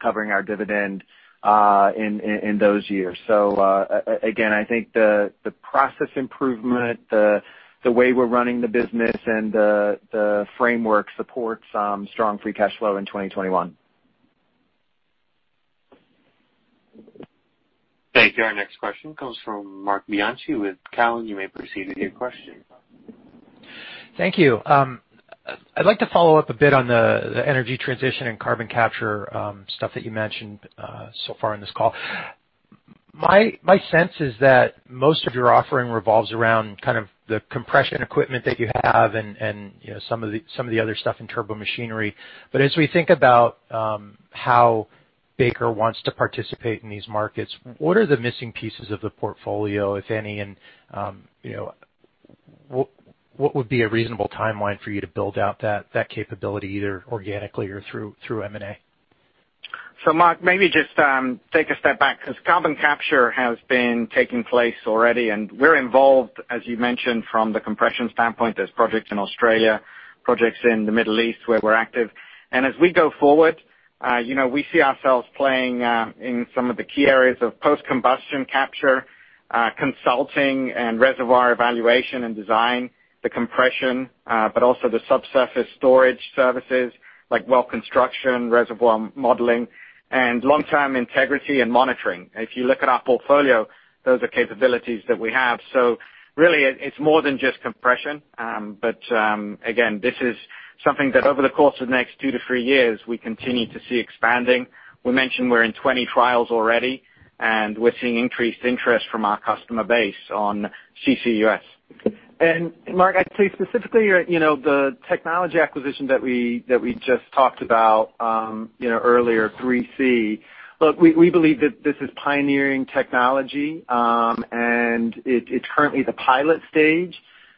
covering our dividend in those years. Again, I think the process improvement, the way we're running the business, and the framework supports strong free cash flow in 2021. Thank you. Our next question comes from Marc Bianchi with Cowen. You may proceed with your question. Thank you. I'd like to follow up a bit on the energy transition and carbon capture stuff that you mentioned so far in this call. My sense is that most of your offering revolves around kind of the compression equipment that you have and some of the other stuff in turbomachinery. As we think about how Baker wants to participate in these markets, what are the missing pieces of the portfolio, if any? What would be a reasonable timeline for you to build out that capability, either organically or through M&A? Marc, maybe just take a step back, because carbon capture has been taking place already, and we're involved, as you mentioned, from the compression standpoint. There's projects in Australia, projects in the Middle East where we're active. As we go forward, we see ourselves playing in some of the key areas of post-combustion capture, consulting, and reservoir evaluation and design, the compression, but also the subsurface storage services like well construction, reservoir modeling, and long-term integrity and monitoring. If you look at our portfolio, those are capabilities that we have. Really, it's more than just compression. Again, this is something that over the course of the next two to three years, we continue to see expanding. We mentioned we're in 20 trials already, and we're seeing increased interest from our customer base on CCUS. Marc, I'd say specifically, the technology acquisition that we just talked about earlier, 3C. Look, we believe that this is pioneering technology, and it's currently the pilot stage,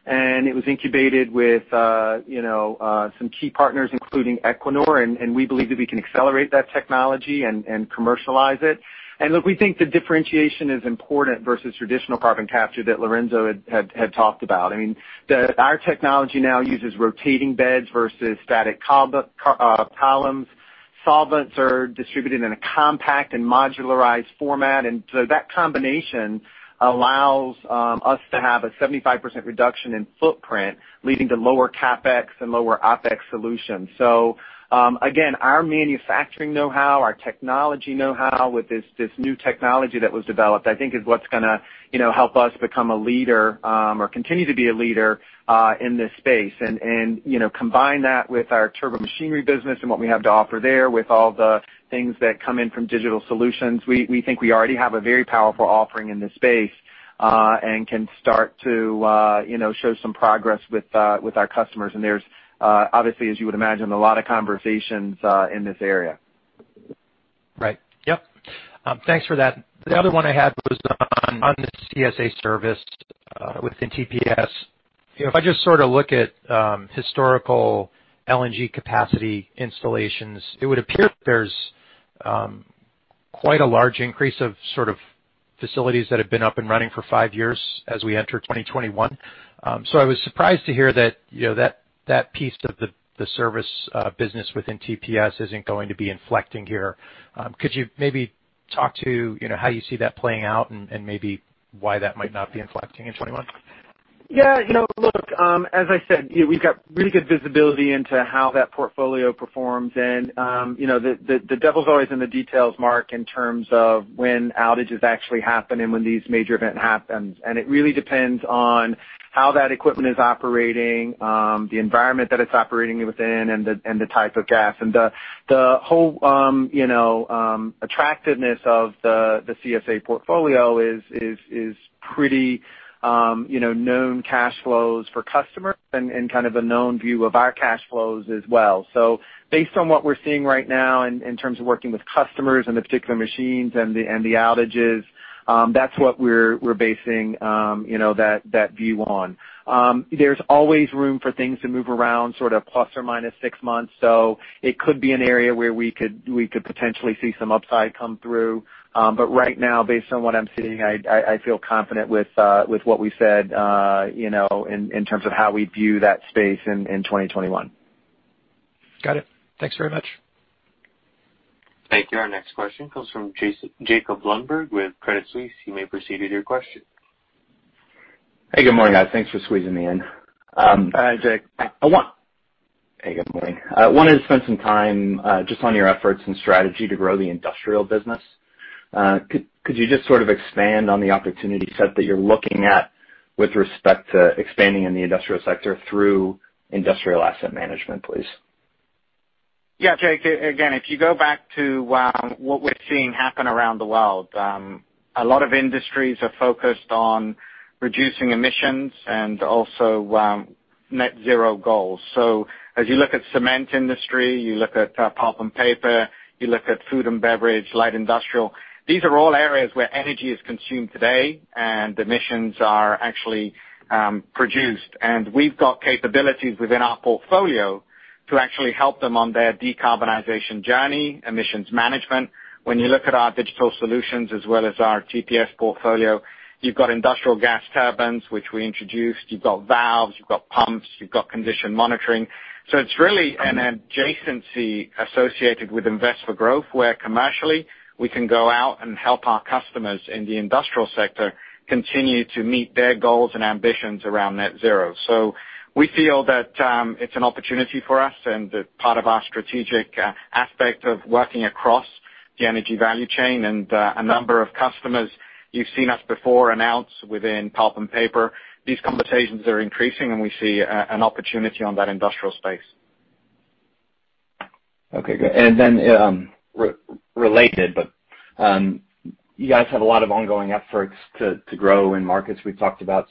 and it was incubated with some key partners, including Equinor, and we believe that we can accelerate that technology and commercialize it. Look, we think the differentiation is important versus traditional carbon capture that Lorenzo had talked about. I mean, our technology now uses rotating beds versus static columns. Solvents are distributed in a compact and modularized format, that combination allows us to have a 75% reduction in footprint, leading to lower CapEx and lower OpEx solutions. Again, our manufacturing know-how, our technology know-how with this new technology that was developed, I think is what's going to help us become a leader or continue to be a leader in this space. Combine that with our turbomachinery business and what we have to offer there with all the things that come in from digital solutions, we think we already have a very powerful offering in this space and can start to show some progress with our customers. There's obviously, as you would imagine, a lot of conversations in this area. Right. Yep. Thanks for that. The other one I had was on the CSA service within TPS. If I just sort of look at historical LNG capacity installations, it would appear that there's quite a large increase of sort of facilities that have been up and running for five years as we enter 2021. I was surprised to hear that piece of the service business within TPS isn't going to be inflecting here. Could you maybe talk to how you see that playing out and maybe why that might not be inflecting in '21? Yeah. Look, as I said, we've got really good visibility into how that portfolio performs. The devil's always in the details, Marc, in terms of when outages actually happen and when these major event happens. It really depends on how that equipment is operating, the environment that it's operating within, and the type of gas. The whole attractiveness of the CSA portfolio is pretty known cash flows for customers and kind of a known view of our cash flows as well. Based on what we're seeing right now in terms of working with customers and the particular machines and the outages, that's what we're basing that view on. There's always room for things to move around, sort of ±6 months. It could be an area where we could potentially see some upside come through. Right now, based on what I'm seeing, I feel confident with what we said, in terms of how we view that space in 2021. Got it. Thanks very much. Thank you. Our next question comes from Jacob Lundberg with Credit Suisse. You may proceed with your question. Hey, good morning, guys. Thanks for squeezing me in. Hi, Jac. Hey, good morning. I wanted to spend some time just on your efforts and strategy to grow the industrial business. Could you just sort of expand on the opportunity set that you're looking at with respect to expanding in the industrial sector through industrial asset management, please? Yeah, Jac. If you go back to what we're seeing happen around the world, a lot of industries are focused on reducing emissions and also net zero goals. As you look at cement industry, you look at pulp and paper, you look at food and beverage, light industrial, these are all areas where energy is consumed today and emissions are actually produced. We've got capabilities within our portfolio to actually help them on their decarbonization journey, emissions management. When you look at our digital solutions as well as our TPS portfolio, you've got industrial gas turbines, which we introduced. You've got valves, you've got pumps, you've got condition monitoring. It's really an adjacency associated with invest for growth, where commercially we can go out and help our customers in the industrial sector continue to meet their goals and ambitions around net zero. We feel that it's an opportunity for us and part of our strategic aspect of working across the energy value chain. A number of customers you've seen us before announce within pulp and paper, these conversations are increasing, and we see an opportunity on that industrial space. Okay, good. Related, you guys have a lot of ongoing efforts to grow in markets. We've talked about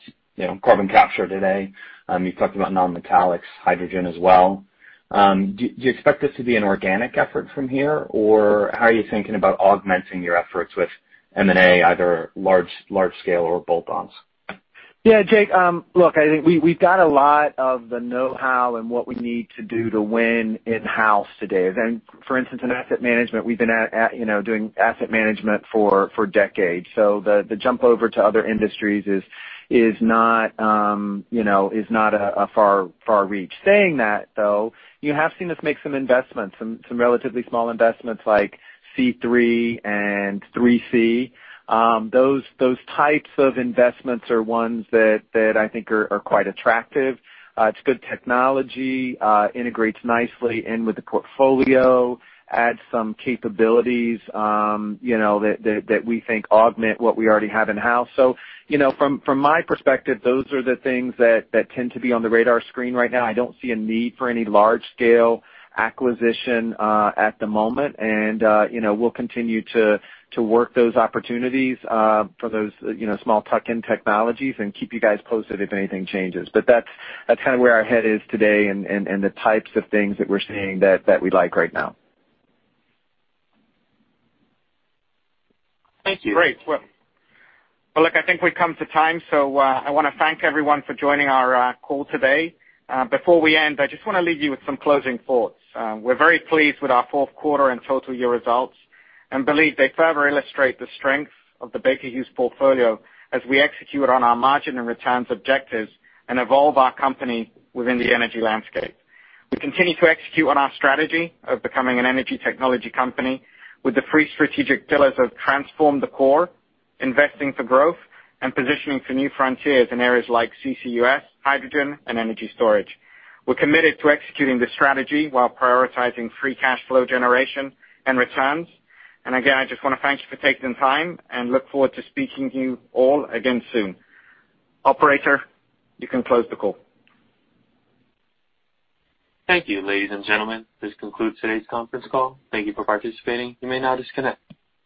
carbon capture today. You've talked about non-metallics, hydrogen as well. Do you expect this to be an organic effort from here, or how are you thinking about augmenting your efforts with M&A, either large scale or bolt-ons? Jac, look, I think we've got a lot of the know-how and what we need to do to win in-house today. For instance, in asset management, we've been doing asset management for decades, so the jump over to other industries is not a far reach. Saying that, though, you have seen us make some investments, some relatively small investments like C3 and 3C. Those types of investments are ones that I think are quite attractive. It's good technology, integrates nicely in with the portfolio, adds some capabilities that we think augment what we already have in-house. From my perspective, those are the things that tend to be on the radar screen right now. I don't see a need for any large-scale acquisition at the moment. We'll continue to work those opportunities for those small tuck-in technologies and keep you guys posted if anything changes. That's kind of where our head is today and the types of things that we're seeing that we like right now. Thank you. Great. Well, look, I think we've come to time, so I want to thank everyone for joining our call today. Before we end, I just want to leave you with some closing thoughts. We're very pleased with our Q4 and total year results and believe they further illustrate the strength of the Baker Hughes portfolio as we execute on our margin and returns objectives and evolve our company within the energy landscape. We continue to execute on our strategy of becoming an energy technology company with the three strategic pillars of transform the core, investing for growth, and positioning for new frontiers in areas like CCUS, hydrogen, and energy storage. We're committed to executing this strategy while prioritizing free cash flow generation and returns. Again, I just want to thank you for taking the time and look forward to speaking to you all again soon. Operator, you can close the call. Thank you. Ladies and gentlemen, this concludes today's conference call. Thank you for participating. You may now disconnect.